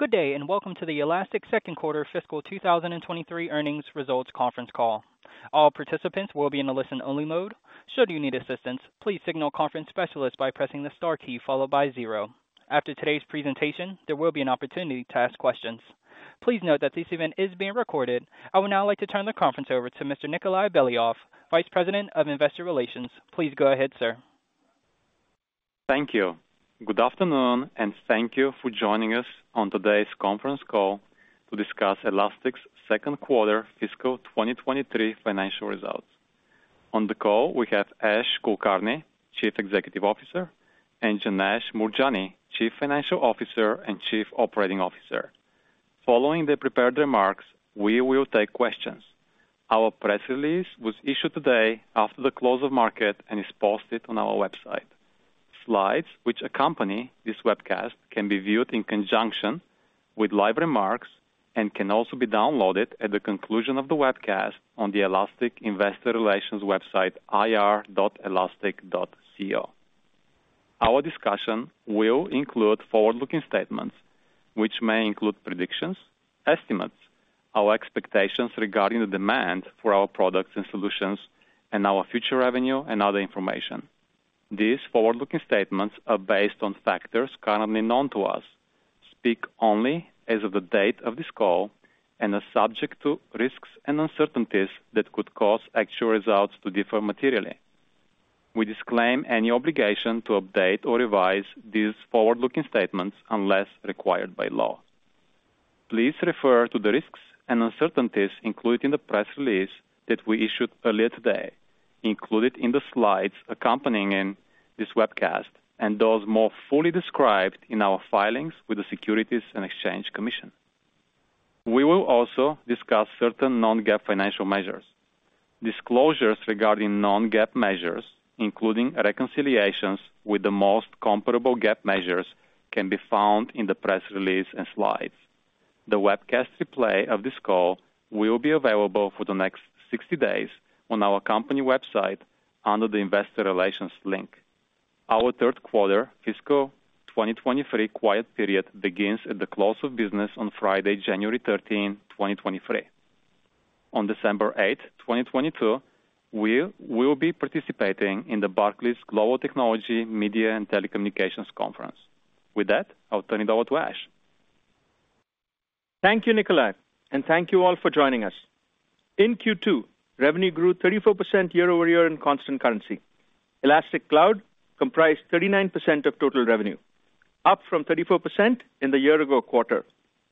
Good day, welcome to the Elastic second quarter fiscal 2023 earnings results conference call. All participants will be in a listen-only mode. Should you need assistance, please signal conference specialist by pressing the star key followed by zero. After today's presentation, there will be an opportunity to ask questions. Please note that this event is being recorded. I would now like to turn the conference over to Mr. Nikolay Beliov, Vice President of Investor Relations. Please go ahead, sir. Thank you. Good afternoon, and thank you for joining us on today's conference call to discuss Elastic's second quarter fiscal 2023 financial results. On the call, we have Ash Kulkarni, Chief Executive Officer, and Janesh Moorjani, Chief Financial Officer and Chief Operating Officer. Following the prepared remarks, we will take questions. Our press release was issued today after the close of market and is posted on our website. Slides which accompany this webcast can be viewed in conjunction with live remarks and can also be downloaded at the conclusion of the webcast on the Elastic investor relations website ir.elastic.co. Our discussion will include forward-looking statements, which may include predictions, estimates, our expectations regarding the demand for our products and solutions, and our future revenue and other information. These forward-looking statements are based on factors currently known to us, speak only as of the date of this call and are subject to risks and uncertainties that could cause actual results to differ materially. We disclaim any obligation to update or revise these forward-looking statements unless required by law. Please refer to the risks and uncertainties included in the press release that we issued earlier today, included in the slides accompanying in this webcast, and those more fully described in our filings with the Securities and Exchange Commission. We will also discuss certain non-GAAP financial measures. Disclosures regarding non-GAAP measures, including reconciliations with the most comparable GAAP measures can be found in the press release and slides. The webcast replay of this call will be available for the next 60 days on our company website under the investor relations link. Our third quarter fiscal 2023 quiet period begins at the close of business on Friday, January 13, 2023. On December 8, 2022, we will be participating in the Barclays Global Technology, Media and Telecommunications Conference. With that, I'll turn it over to Ash. Thank you, Nikolay, and thank you all for joining us. In Q2, revenue grew 34% year-over-year in constant currency. Elastic Cloud comprised 39% of total revenue, up from 34% in the year ago quarter,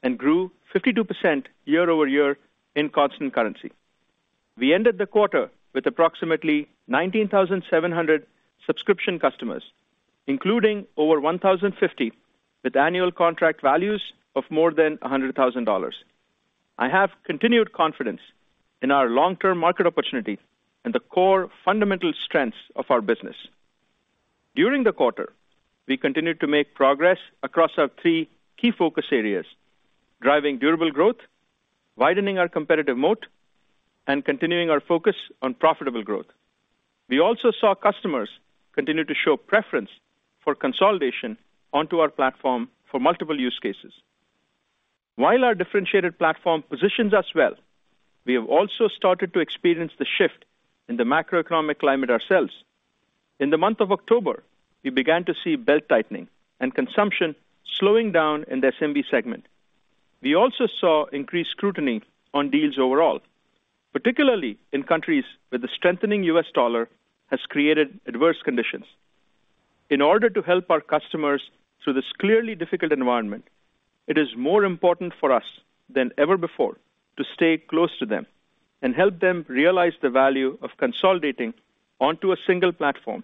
and grew 52% year-over-year in constant currency. We ended the quarter with approximately 19,700 subscription customers, including over 1,050 with annual contract values of more than $100,000. I have continued confidence in our long-term market opportunity and the core fundamental strengths of our business. During the quarter, we continued to make progress across our three key focus areas, driving durable growth, widening our competitive moat, and continuing our focus on profitable growth. We also saw customers continue to show preference for consolidation onto our platform for multiple use cases. While our differentiated platform positions us well, we have also started to experience the shift in the macroeconomic climate ourselves. In the month of October, we began to see belt-tightening and consumption slowing down in the SMB segment. We also saw increased scrutiny on deals overall, particularly in countries where the strengthening U.S. dollar has created adverse conditions. In order to help our customers through this clearly difficult environment, it is more important for us than ever before to stay close to them and help them realize the value of consolidating onto a single platform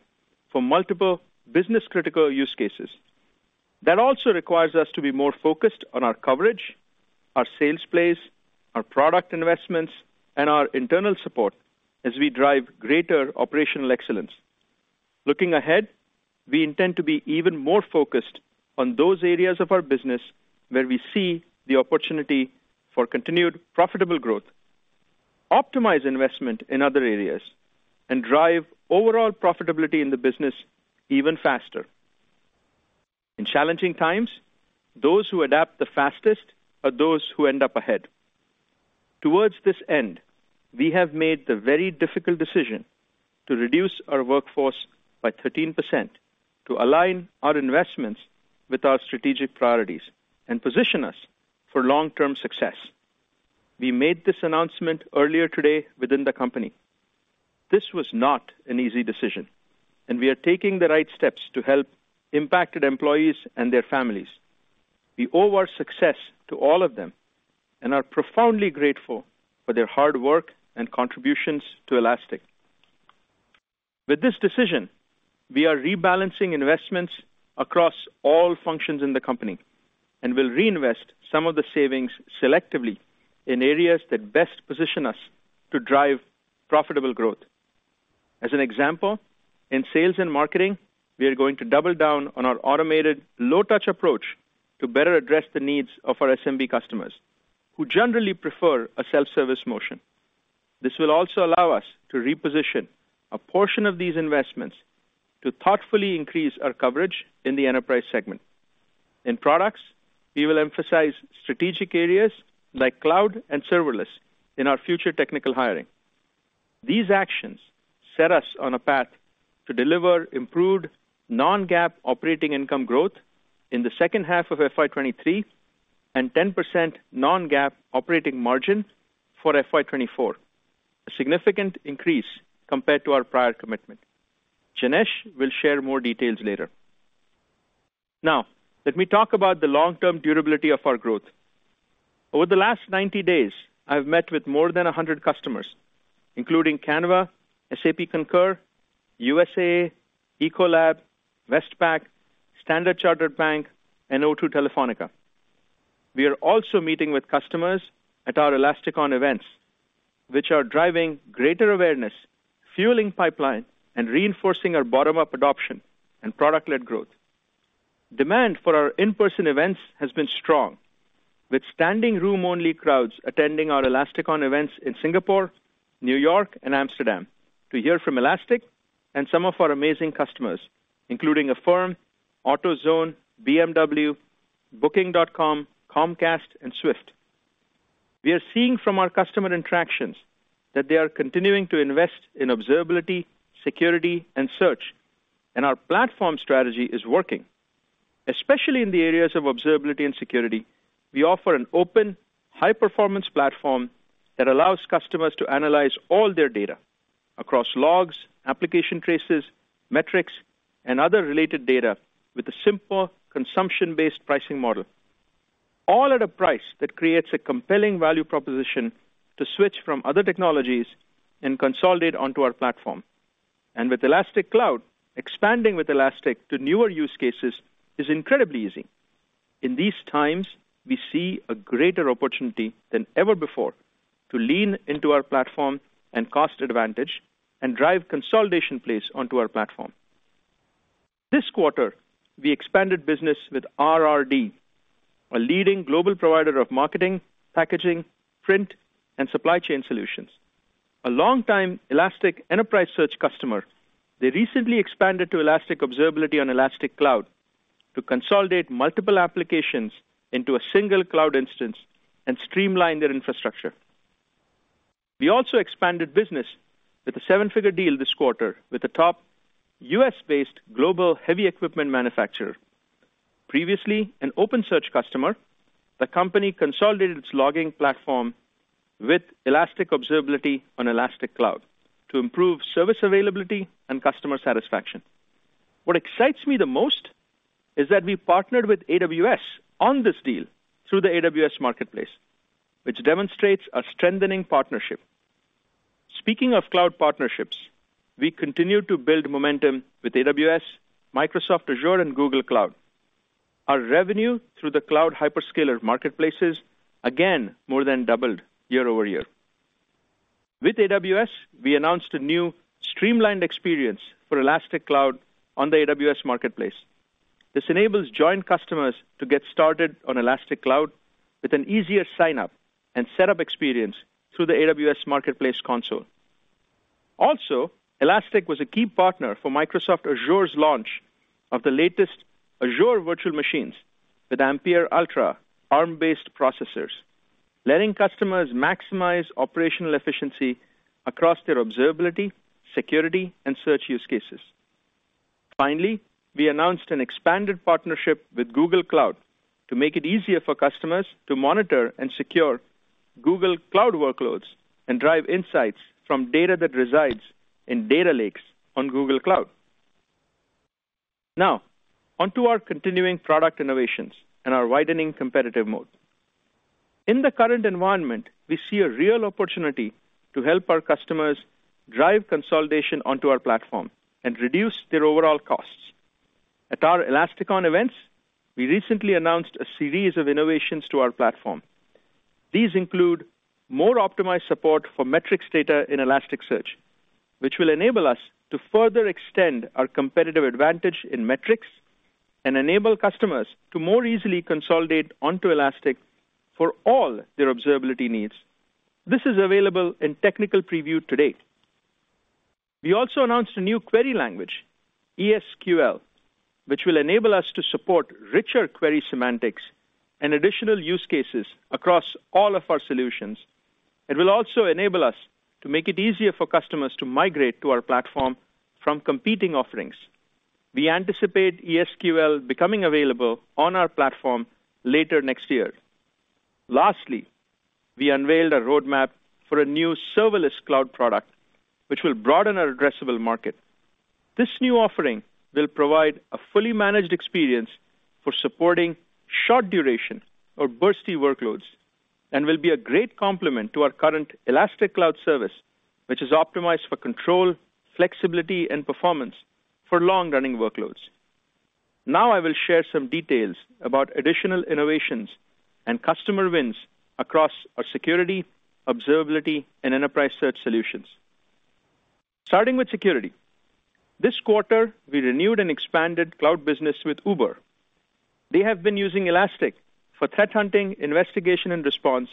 for multiple business-critical use cases. That also requires us to be more focused on our coverage, our sales plays, our product investments, and our internal support as we drive greater operational excellence. Looking ahead, we intend to be even more focused on those areas of our business where we see the opportunity for continued profitable growth, optimize investment in other areas, and drive overall profitability in the business even faster. In challenging times, those who adapt the fastest are those who end up ahead. Towards this end, we have made the very difficult decision to reduce our workforce by 13% to align our investments with our strategic priorities and position us for long-term success. We made this announcement earlier today within the company. This was not an easy decision, and we are taking the right steps to help impacted employees and their families. We owe our success to all of them and are profoundly grateful for their hard work and contributions to Elastic. With this decision, we are rebalancing investments across all functions in the company and will reinvest some of the savings selectively in areas that best position us to drive profitable growth. As an example, in sales and marketing, we are going to double down on our automated low-touch approach to better address the needs of our SMB customers, who generally prefer a self-service motion. This will also allow us to reposition a portion of these investments to thoughtfully increase our coverage in the enterprise segment. In products, we will emphasize strategic areas like cloud and serverless in our future technical hiring. These actions set us on a path to deliver improved non-GAAP operating income growth in the second half of FY 2023 and 10% non-GAAP operating margin for FY 2024, a significant increase compared to our prior commitment. Janesh will share more details later. Let me talk about the long-term durability of our growth. Over the last 90 days, I've met with more than 100 customers, including Canva, SAP Concur, USAA, Ecolab, Westpac, Standard Chartered Bank, and O2 Telefónica. We are also meeting with customers at our ElasticON events, which are driving greater awareness, fueling pipeline, and reinforcing our bottom-up adoption and product-led growth. Demand for our in-person events has been strong, with standing room only crowds attending our ElasticON events in Singapore, New York, and Amsterdam to hear from Elastic and some of our amazing customers, including Affirm, AutoZone, BMW, Booking.com, Comcast, and SWIFT. We are seeing from our customer interactions that they are continuing to invest in observability, security, and search, our platform strategy is working. Especially in the areas of observability and security, we offer an open high-performance platform that allows customers to analyze all their data across logs, application traces, metrics, and other related data with a simple consumption-based pricing model, all at a price that creates a compelling value proposition to switch from other technologies and consolidate onto our platform. With Elastic Cloud, expanding with Elastic to newer use cases is incredibly easy. In these times, we see a greater opportunity than ever before to lean into our platform and cost advantage and drive consolidation plays onto our platform. This quarter, we expanded business with RRD, a leading global provider of marketing, packaging, print, and supply chain solutions. A long time Elastic Enterprise Search customer, they recently expanded to Elastic Observability on Elastic Cloud to consolidate multiple applications into a single cloud instance and streamline their infrastructure. We also expanded business with a seven-figure deal this quarter with a top U.S.-based global heavy equipment manufacturer. Previously an OpenSearch customer, the company consolidated its logging platform with Elastic Observability on Elastic Cloud to improve service availability and customer satisfaction. What excites me the most is that we partnered with AWS on this deal through the AWS Marketplace, which demonstrates our strengthening partnership. Speaking of cloud partnerships, we continue to build momentum with AWS, Microsoft Azure, and Google Cloud. Our revenue through the cloud hyperscaler marketplaces again more than doubled year-over-year. With AWS, we announced a new streamlined experience for Elastic Cloud on the AWS Marketplace. This enables joint customers to get started on Elastic Cloud with an easier sign-up and setup experience through the AWS Marketplace console. Also, Elastic was a key partner for Microsoft Azure's launch of the latest Azure virtual machines with Ampere Altra ARM-based processors, letting customers maximize operational efficiency across their observability, security, and search use cases. Finally, we announced an expanded partnership with Google Cloud to make it easier for customers to monitor and secure Google Cloud workloads and drive insights from data that resides in data lakes on Google Cloud. Now, on to our continuing product innovations and our widening competitive moat. In the current environment, we see a real opportunity to help our customers drive consolidation onto our platform and reduce their overall costs. At our ElasticON events, we recently announced a series of innovations to our platform. These include more optimized support for metrics data in Elasticsearch, which will enable us to further extend our competitive advantage in metrics and enable customers to more easily consolidate onto Elastic for all their observability needs. This is available in technical preview today. We also announced a new query language, ES|QL, which will enable us to support richer query semantics and additional use cases across all of our solutions. It will also enable us to make it easier for customers to migrate to our platform from competing offerings. We anticipate ES|QL becoming available on our platform later next year. Lastly, we unveiled a roadmap for a new serverless cloud product which will broaden our addressable market. This new offering will provide a fully managed experience for supporting short duration or bursty workloads and will be a great complement to our current Elastic Cloud service, which is optimized for control, flexibility, and performance for long-running workloads. Now I will share some details about additional innovations and customer wins across our security, observability, and enterprise search solutions. Starting with security. This quarter, we renewed and expanded cloud business with Uber. They have been using Elastic for threat hunting, investigation and response,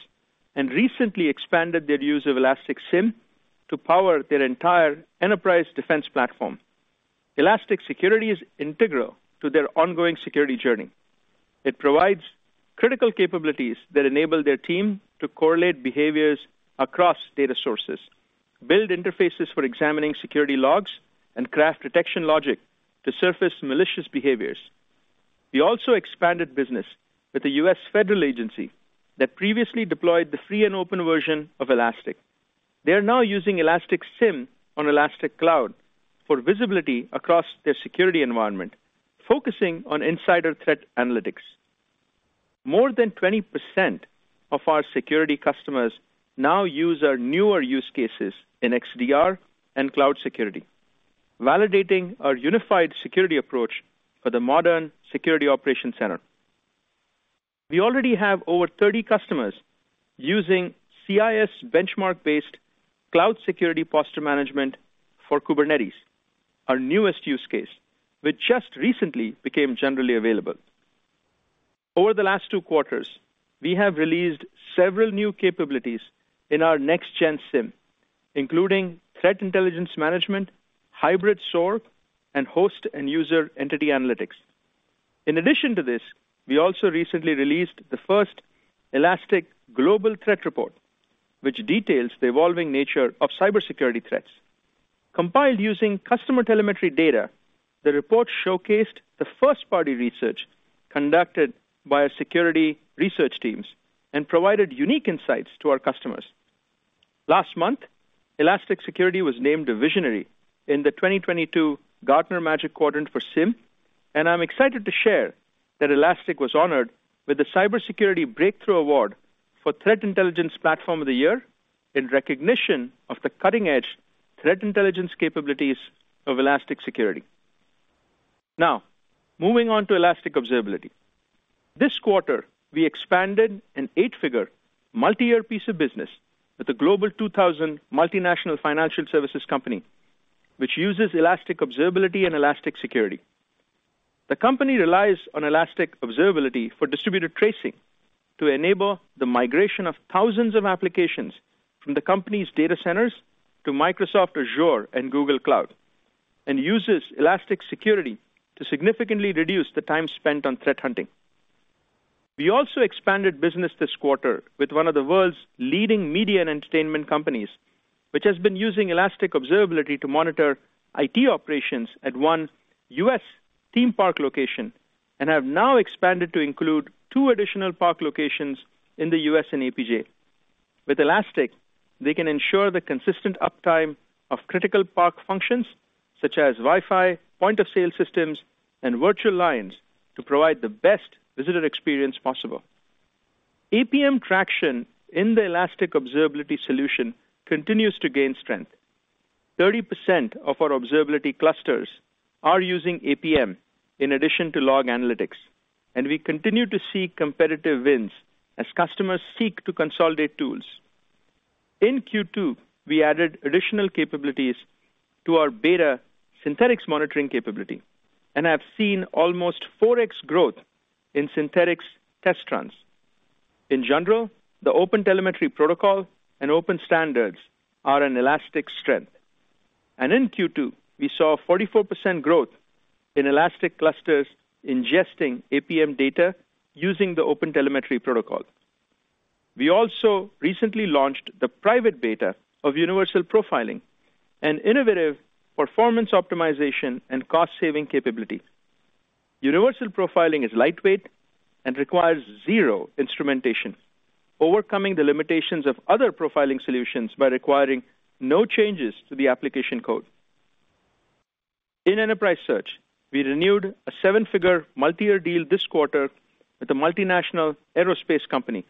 and recently expanded their use of Elastic SIEM to power their entire enterprise defense platform. Elastic Security is integral to their ongoing security journey. It provides critical capabilities that enable their team to correlate behaviors across data sources, build interfaces for examining security logs, and craft detection logic to surface malicious behaviors. We also expanded business with the U.S. federal agency that previously deployed the free and open version of Elastic. They are now using Elastic SIEM on Elastic Cloud for visibility across their security environment, focusing on insider threat analytics. More than 20% of our security customers now use our newer use cases in XDR and cloud security, validating our unified security approach for the modern security operation center. We already have over 30 customers using CIS benchmark-based cloud security posture management for Kubernetes, our newest use case, which just recently became generally available. Over the last two quarters, we have released several new capabilities in our next-gen SIEM, including threat intelligence management, hybrid SOAR, and host and user entity analytics. In addition to this, we also recently released the first Elastic Global Threat Report, which details the evolving nature of cybersecurity threats. Compiled using customer telemetry data, the report showcased the first-party research conducted by our security research teams and provided unique insights to our customers. Last month, Elastic Security was named a visionary in the 2022 Gartner Magic Quadrant for SIEM, and I'm excited to share that Elastic was honored with the Cybersecurity Breakthrough Award for Threat Intelligence Platform of the Year in recognition of the cutting-edge threat intelligence capabilities of Elastic Security. Now, moving on to Elastic Observability. This quarter, we expanded an eight-figure multi-year piece of business with a global 2000 multinational financial services company, which uses Elastic Observability and Elastic Security. The company relies on Elastic Observability for distributed tracing to enable the migration of thousands of applications from the company's data centers to Microsoft Azure and Google Cloud, and uses Elastic Security to significantly reduce the time spent on threat hunting. We also expanded business this quarter with one of the world's leading media and entertainment companies, which has been using Elastic Observability to monitor IT operations at one U.S. theme park location and have now expanded to include two additional park locations in the U.S. and APJ. With Elastic, they can ensure the consistent uptime of critical park functions such as Wi-Fi, point-of-sale systems, and virtual lines to provide the best visitor experience possible. APM traction in the Elastic Observability solution continues to gain strength. 30% of our observability clusters are using APM in addition to log analytics, and we continue to see competitive wins as customers seek to consolidate tools. In Q2, we added additional capabilities to our beta Synthetic Monitoring capability and have seen almost 4x growth in synthetics test runs. In general, the OpenTelemetry protocol and open standards are an Elastic strength. In Q2, we saw 44% growth in Elastic clusters ingesting APM data using the OpenTelemetry protocol. We also recently launched the private beta of Universal Profiling, an innovative performance optimization and cost-saving capability. Universal Profiling is lightweight and requires zero instrumentation, overcoming the limitations of other profiling solutions by requiring no changes to the application code. In Elastic Enterprise Search, we renewed a seven-figure multi-year deal this quarter with a multinational aerospace company.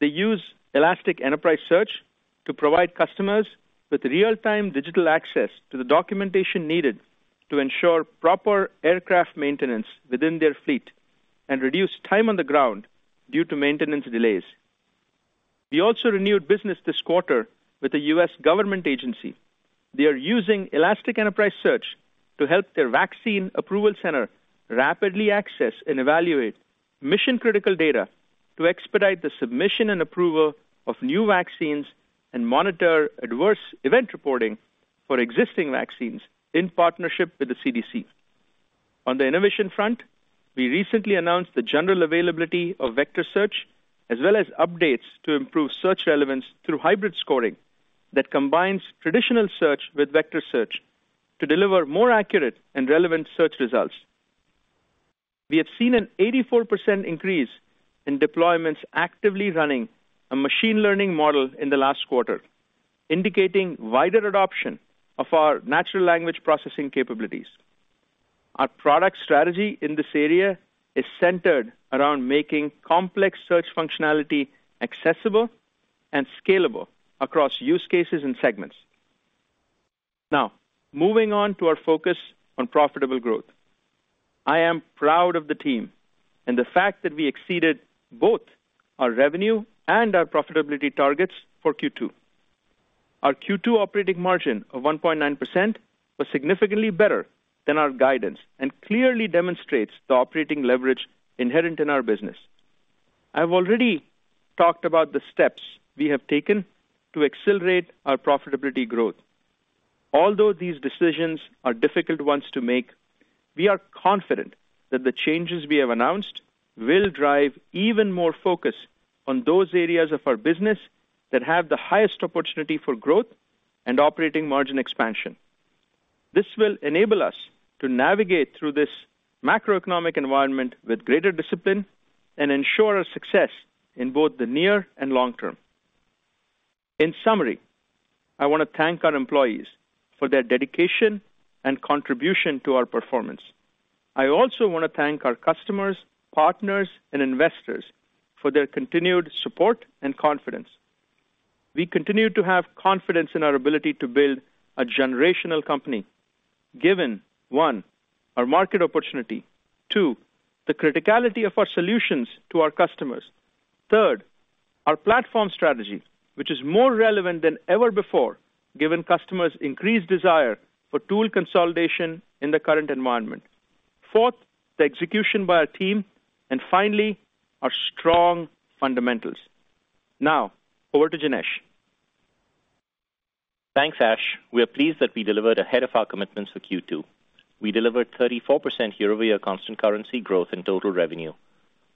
They use Elastic Enterprise Search to provide customers with real-time digital access to the documentation needed to ensure proper aircraft maintenance within their fleet and reduce time on the ground due to maintenance delays. We also renewed business this quarter with a U.S. government agency. They are using Elastic Enterprise Search to help their vaccine approval center rapidly access and evaluate mission-critical data to expedite the submission and approval of new vaccines and monitor adverse event reporting for existing vaccines in partnership with the CDC. On the innovation front, we recently announced the general availability of vector search, as well as updates to improve search relevance through hybrid scoring that combines traditional search with vector search to deliver more accurate and relevant search results. We have seen an 84% increase in deployments actively running a machine learning model in the last quarter, indicating wider adoption of our natural language processing capabilities. Our product strategy in this area is centered around making complex search functionality accessible and scalable across use cases and segments. Now, moving on to our focus on profitable growth. I am proud of the team and the fact that we exceeded both our revenue and our profitability targets for Q2. Our Q2 operating margin of 1.9% was significantly better than our guidance and clearly demonstrates the operating leverage inherent in our business. I've already talked about the steps we have taken to accelerate our profitability growth. Although these decisions are difficult ones to make, we are confident that the changes we have announced will drive even more focus on those areas of our business that have the highest opportunity for growth and operating margin expansion. This will enable us to navigate through this macroeconomic environment with greater discipline and ensure our success in both the near and long term. In summary, I wanna thank our employees for their dedication and contribution to our performance. I also wanna thank our customers, partners, and investors for their continued support and confidence. We continue to have confidence in our ability to build a generational company, given, one, our market opportunity. Two, the criticality of our solutions to our customers. Third, our platform strategy, which is more relevant than ever before, given customers' increased desire for tool consolidation in the current environment. Fourth, the execution by our team and finally, our strong fundamentals. Now over to Janesh. Thanks, Ash. We are pleased that we delivered ahead of our commitments for Q2. We delivered 34% year-over-year constant currency growth in total revenue.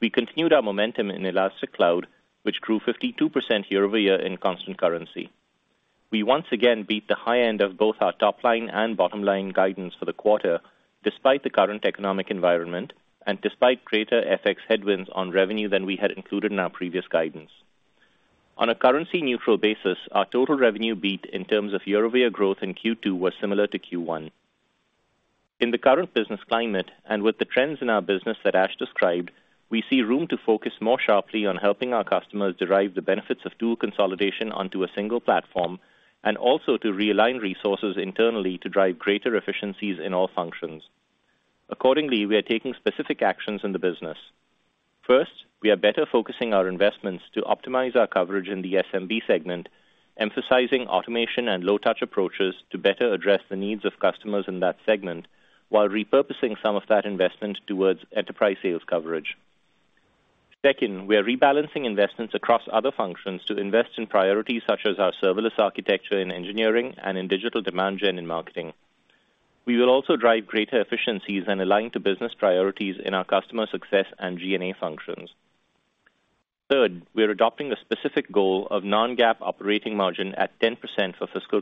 We continued our momentum in Elastic Cloud, which grew 52% year-over-year in constant currency. We once again beat the high end of both our top line and bottom line guidance for the quarter, despite the current economic environment and despite greater FX headwinds on revenue than we had included in our previous guidance. On a currency neutral basis, our total revenue beat in terms of year-over-year growth in Q2 was similar to Q1. In the current business climate, and with the trends in our business that Ash described, we see room to focus more sharply on helping our customers derive the benefits of tool consolidation onto a single platform, and also to realign resources internally to drive greater efficiencies in all functions. Accordingly, we are taking specific actions in the business. First, we are better focusing our investments to optimize our coverage in the SMB segment, emphasizing automation and low touch approaches to better address the needs of customers in that segment, while repurposing some of that investment towards enterprise sales coverage. Second, we are rebalancing investments across other functions to invest in priorities such as our serverless architecture in engineering and in digital demand gen in marketing. We will also drive greater efficiencies and align to business priorities in our customer success and G&A functions. Third, we are adopting a specific goal of non-GAAP operating margin at 10% for fiscal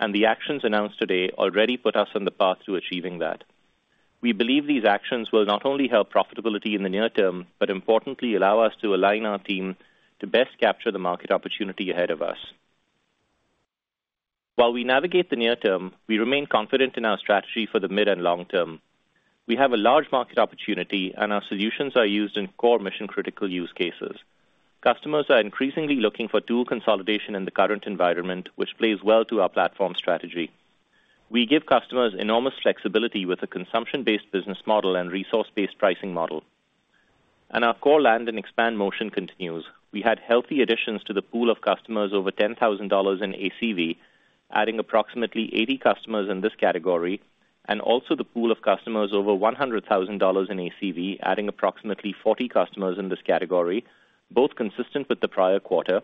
2024. The actions announced today already put us on the path to achieving that. We believe these actions will not only help profitability in the near term, but importantly allow us to align our team to best capture the market opportunity ahead of us. While we navigate the near term, we remain confident in our strategy for the mid and long term. We have a large market opportunity and our solutions are used in core mission critical use cases. Customers are increasingly looking for tool consolidation in the current environment, which plays well to our platform strategy. We give customers enormous flexibility with a consumption-based business model and resource-based pricing model. Our core land and expand motion continues. We had healthy additions to the pool of customers over $10,000 in ACV, adding approximately 80 customers in this category, and also the pool of customers over $100,000 in ACV, adding approximately 40 customers in this category, both consistent with the prior quarter.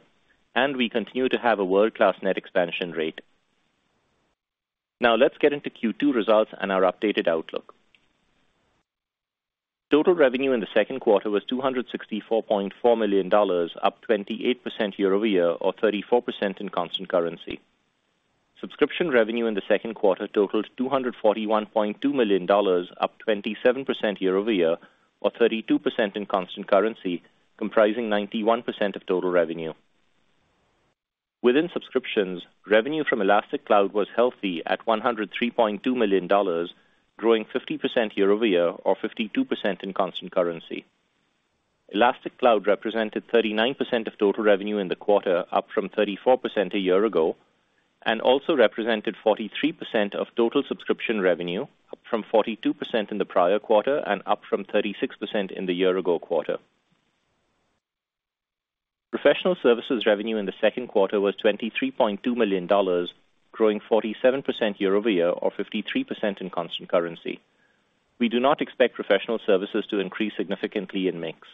We continue to have a world-class net expansion rate. Let's get into Q2 results and our updated outlook. Total revenue in the second quarter was $264.4 million, up 28% year-over-year or 34% in constant currency. Subscription revenue in the second quarter totaled $241.2 million, up 27% year-over-year or 32% in constant currency, comprising 91% of total revenue. Within subscriptions, revenue from Elastic Cloud was healthy at $103.2 million, growing 50% year-over-year or 52% in constant currency. Elastic Cloud represented 39% of total revenue in the quarter, up from 34% a year ago, and also represented 43% of total subscription revenue, up from 42% in the prior quarter and up from 36% in the year-ago quarter. Professional services revenue in the second quarter was $23.2 million, growing 47% year-over-year or 53% in constant currency. We do not expect professional services to increase significantly in mix.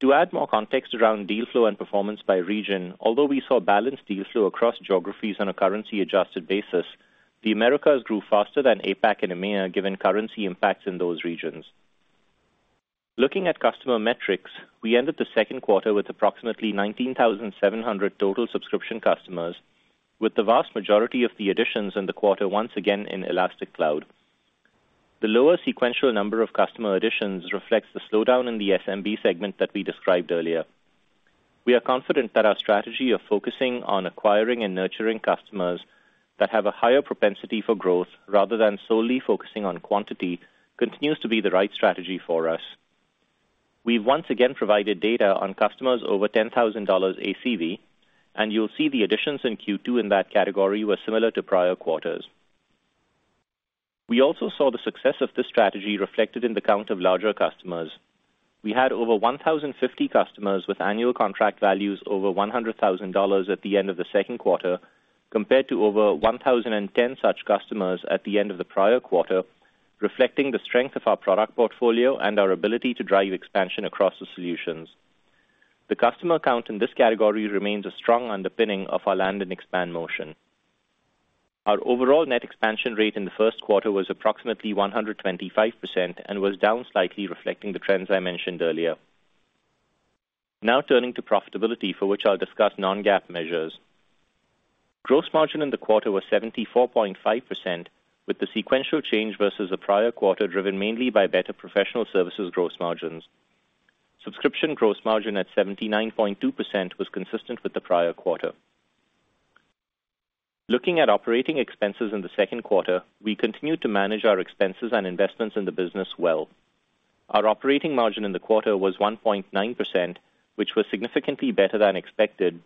To add more context around deal flow and performance by region, although we saw balanced deal flow across geographies on a currency adjusted basis, the Americas grew faster than APAC and EMEA, given currency impacts in those regions. Looking at customer metrics, we ended the second quarter with approximately 19,700 total subscription customers, with the vast majority of the additions in the quarter once again in Elastic Cloud. The lower sequential number of customer additions reflects the slowdown in the SMB segment that we described earlier. We are confident that our strategy of focusing on acquiring and nurturing customers that have a higher propensity for growth rather than solely focusing on quantity continues to be the right strategy for us. We've once again provided data on customers over $10,000 ACV, and you'll see the additions in Q2 in that category were similar to prior quarters. We also saw the success of this strategy reflected in the count of larger customers. We had over 1,050 customers with annual contract values over $100,000 at the end of the second quarter, compared to over 1,010 such customers at the end of the prior quarter, reflecting the strength of our product portfolio and our ability to drive expansion across the solutions. The customer count in this category remains a strong underpinning of our land and expand motion. Our overall net expansion rate in the first quarter was approximately 125% and was down slightly reflecting the trends I mentioned earlier. Now turning to profitability, for which I'll discuss non-GAAP measures. Gross margin in the quarter was 74.5% with the sequential change versus the prior quarter, driven mainly by better professional services gross margins. Subscription gross margin at 79.2% was consistent with the prior quarter. Looking at operating expenses in the second quarter, we continued to manage our expenses and investments in the business well. Our operating margin in the quarter was 1.9%, which was significantly better than expected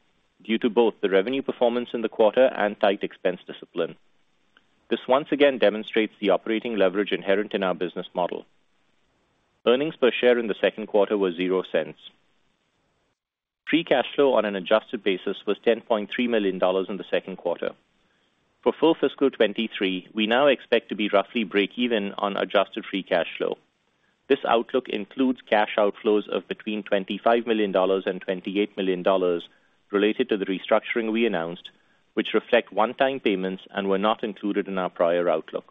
due to both the revenue performance in the quarter and tight expense discipline. This once again demonstrates the operating leverage inherent in our business model. Earnings per share in the second quarter were $0.00. Free cash flow on an adjusted basis was $10.3 million in the second quarter. For full fiscal 2023, we now expect to be roughly break even on adjusted free cash flow. This outlook includes cash outflows of between $25 million and $28 million related to the restructuring we announced, which reflect one-time payments and were not included in our prior outlook.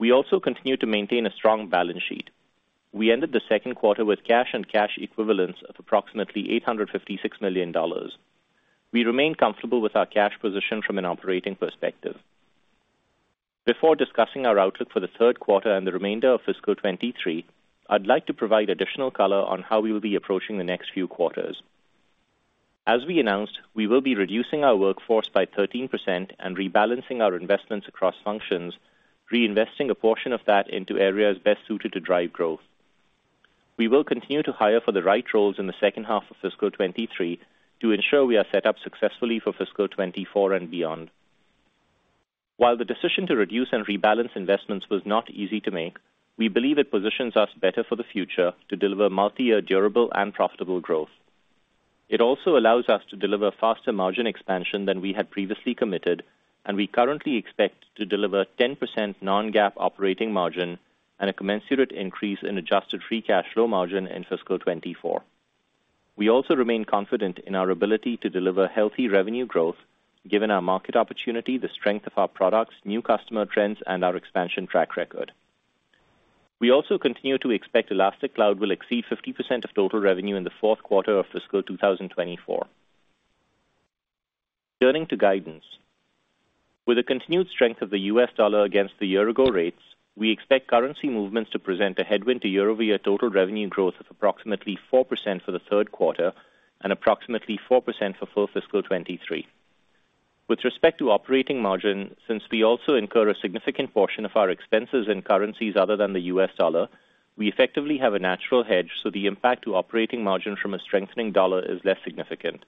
We also continue to maintain a strong balance sheet. We ended the second quarter with cash and cash equivalents of approximately $856 million. We remain comfortable with our cash position from an operating perspective. Before discussing our outlook for the third quarter and the remainder of fiscal 2023, I'd like to provide additional color on how we will be approaching the next few quarters. As we announced, we will be reducing our workforce by 13% and rebalancing our investments across functions, reinvesting a portion of that into areas best suited to drive growth. We will continue to hire for the right roles in the second half of fiscal 2023 to ensure we are set up successfully for fiscal 2024 and beyond. While the decision to reduce and rebalance investments was not easy to make, we believe it positions us better for the future to deliver multi-year durable and profitable growth. It also allows us to deliver faster margin expansion than we had previously committed, and we currently expect to deliver 10% non-GAAP operating margin and a commensurate increase in adjusted free cash flow margin in fiscal 2024. We also remain confident in our ability to deliver healthy revenue growth given our market opportunity, the strength of our products, new customer trends, and our expansion track record. We also continue to expect Elastic Cloud will exceed 50% of total revenue in the fourth quarter of fiscal 2024. Turning to guidance. With the continued strength of the U.S. dollar against the year-ago rates, we expect currency movements to present a headwind to year-over-year total revenue growth of approximately 4% for the third quarter and approximately 4% for full fiscal 2023. With respect to operating margin, since we also incur a significant portion of our expenses in currencies other than the U.S. dollar, we effectively have a natural hedge, the impact to operating margin from a strengthening dollar is less significant.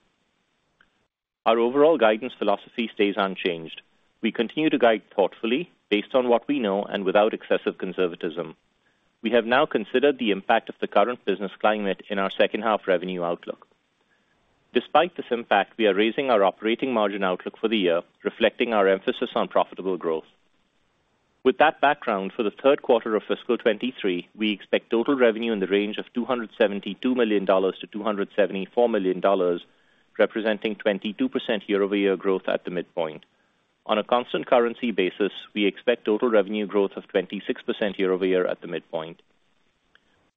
Our overall guidance philosophy stays unchanged. We continue to guide thoughtfully based on what we know and without excessive conservatism. We have now considered the impact of the current business climate in our second half revenue outlook. Despite this impact, we are raising our operating margin outlook for the year, reflecting our emphasis on profitable growth. With that background, for the third quarter of fiscal 2023, we expect total revenue in the range of $272 million-$274 million, representing 22% year-over-year growth at the midpoint. On a constant currency basis, we expect total revenue growth of 26% year-over-year at the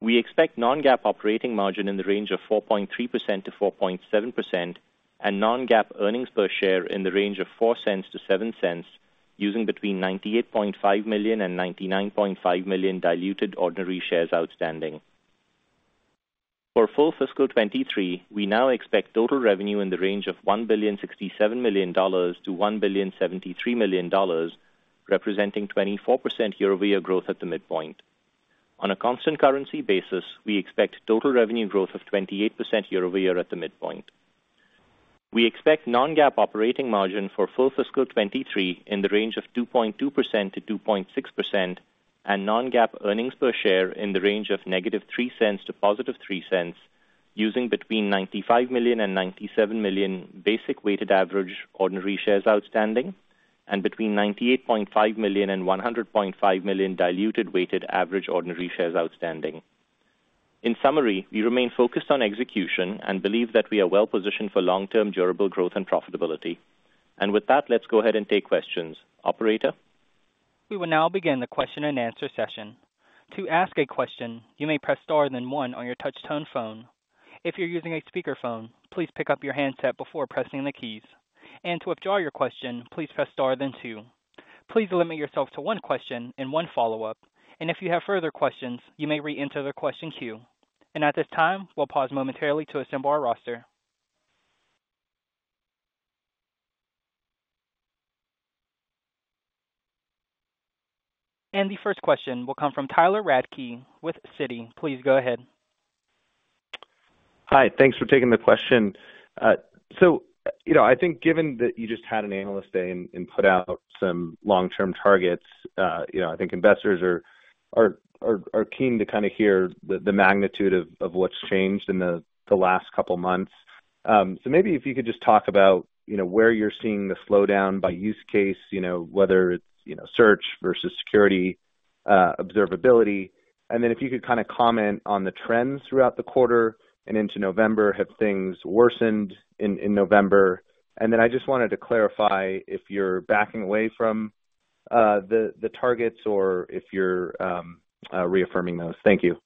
midpoint. We expect non-GAAP operating margin in the range of 4.3%-4.7% and non-GAAP earnings per share in the range of $0.04-$0.07, using between 98.5 million and 99.5 million diluted ordinary shares outstanding. For full fiscal 2023, we now expect total revenue in the range of $1.067 billion-$1.073 billion, representing 24% year-over-year growth at the midpoint. On a constant currency basis, we expect total revenue growth of 28% year-over-year at the midpoint. We expect non-GAAP operating margin for full fiscal 2023 in the range of 2.2%-2.6% and non-GAAP earnings per share in the range of -$0.03 to +$0.03, using between 95 million and 97 million basic weighted average ordinary shares outstanding and between 98.5 million and 100.5 million diluted weighted average ordinary shares outstanding. In summary, we remain focused on execution and believe that we are well positioned for long-term durable growth and profitability. With that, let's go ahead and take questions. Operator? We will now begin the question and answer session. To ask a question, you may press star then one on your touch tone phone. If you're using a speakerphone, please pick up your handset before pressing the keys. To withdraw your question, please press star then two. Please limit yourself to one question and one follow-up. If you have further questions, you may re-enter the question queue. At this time, we'll pause momentarily to assemble our roster. The first question will come from Tyler Radke with Citi. Please go ahead. Hi. Thanks for taking the question. You know, I think given that you just had an analyst day and put out some long-term targets, you know, I think investors are keen to kind of hear the magnitude of what's changed in the last couple of months. Maybe if you could just talk about, you know, where you're seeing the slowdown by use case, you know, whether it's, you know, search versus security, observability. If you could kind of comment on the trends throughout the quarter and into November, have things worsened in November? I just wanted to clarify if you're backing away from the targets or if you're reaffirming those. Thank you.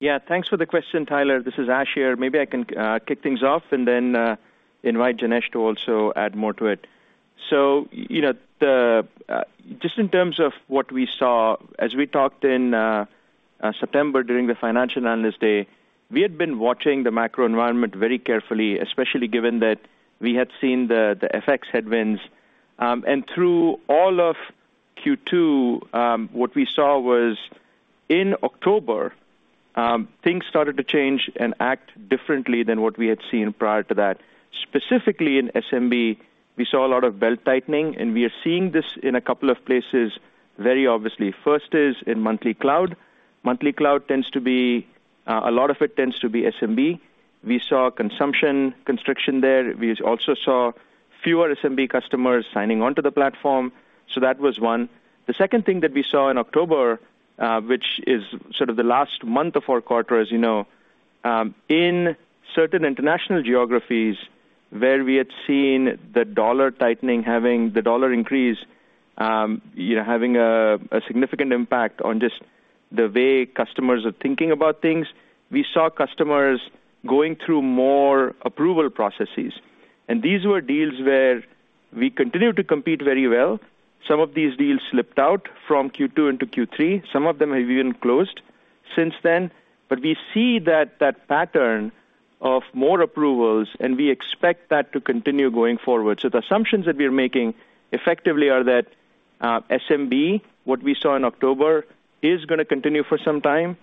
Thanks for the question, Tyler. This is Ash here. Maybe I can kick things off and then invite Janesh to also add more to it. You know, just in terms of what we saw as we talked in September during the financial analyst day, we had been watching the macro environment very carefully, especially given that we had seen the FX headwinds. Through all of Q2, what we saw was in October, things started to change and act differently than what we had seen prior to that. Specifically in SMB, we saw a lot of belt-tightening, and we are seeing this in a couple of places very obviously. First is in monthly cloud. Monthly cloud tends to be a lot of it tends to be SMB. We saw consumption constriction there. We also saw fewer SMB customers signing onto the platform. That was one. The second thing that we saw in October, which is sort of the last month of our quarter, as you know, in certain international geographies where we had seen the dollar tightening having the dollar increase, you know, having a significant impact on just the way customers are thinking about things. We saw customers going through more approval processes, and these were deals where we continued to compete very well. Some of these deals slipped out from Q2 into Q3. Some of them have even closed since then. We see that pattern of more approvals, and we expect that to continue going forward. The assumptions that we are making effectively are that SMB, what we saw in October, is gonna continue for some time.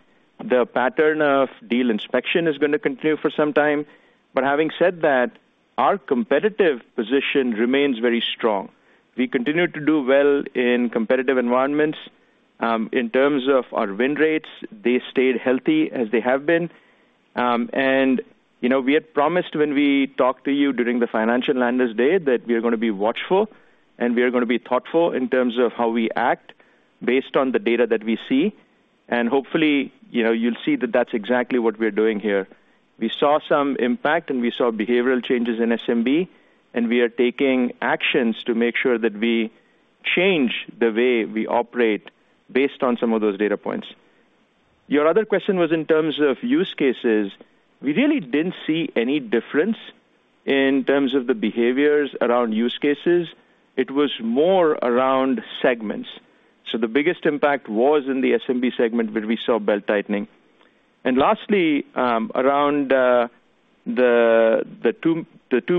The pattern of deal inspection is gonna continue for some time. Having said that, our competitive position remains very strong. We continue to do well in competitive environments. In terms of our win rates, they stayed healthy as they have been. You know, we had promised when we talked to you during the financial analyst day that we are gonna be watchful, and we are gonna be thoughtful in terms of how we act based on the data that we see. Hopefully, you know, you'll see that that's exactly what we're doing here. We saw some impact, and we saw behavioral changes in SMB, and we are taking actions to make sure that we change the way we operate based on some of those data points. Your other question was in terms of use cases. We really didn't see any difference in terms of the behaviors around use cases. It was more around segments. The biggest impact was in the SMB segment, where we saw belt-tightening. Lastly, around the $2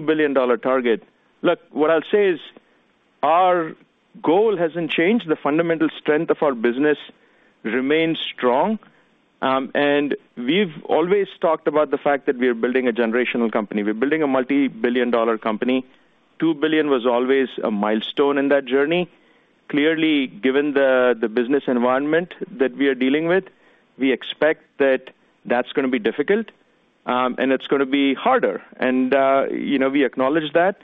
billion target. Look, what I'll say is our goal hasn't changed. The fundamental strength of our business remains strong. We've always talked about the fact that we are building a generational company. We're building a multi-billion dollar company. $2 billion was always a milestone in that journey. Clearly, given the business environment that we are dealing with, we expect that that's gonna be difficult, and it's gonna be harder. You know, we acknowledge that.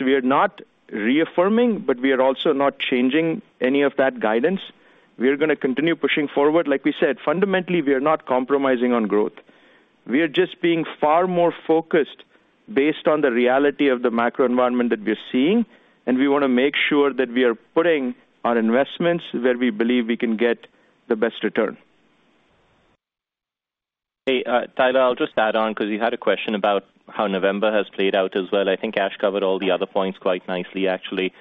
We are not reaffirming, but we are also not changing any of that guidance. We are gonna continue pushing forward. Like we said, fundamentally, we are not compromising on growth. We are just being far more focused based on the reality of the macro environment that we're seeing, and we wanna make sure that we are putting our investments where we believe we can get the best return. Hey, Tyler, I'll just add on because you had a question about how November has played out as well. I think Ash covered all the other points quite nicely actually.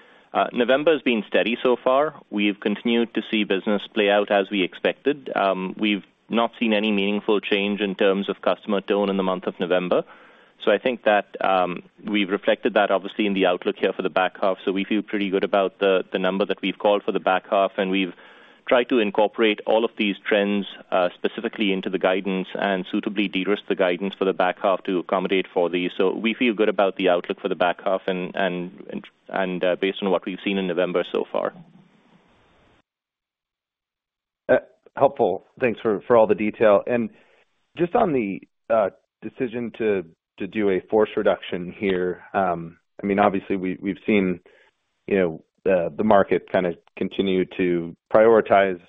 November has been steady so far. We've continued to see business play out as we expected. We've not seen any meaningful change in terms of customer tone in the month of November. I think that we've reflected that obviously in the outlook here for the back half. We feel pretty good about the number that we've called for the back half, and we've tried to incorporate all of these trends specifically into the guidance and suitably de-risk the guidance for the back half to accommodate for these. We feel good about the outlook for the back half and based on what we've seen in November so far. Helpful. Thanks for all the detail. Just on the decision to do a force reduction here, I mean, obviously we've seen, you know, the market kind of continue to prioritize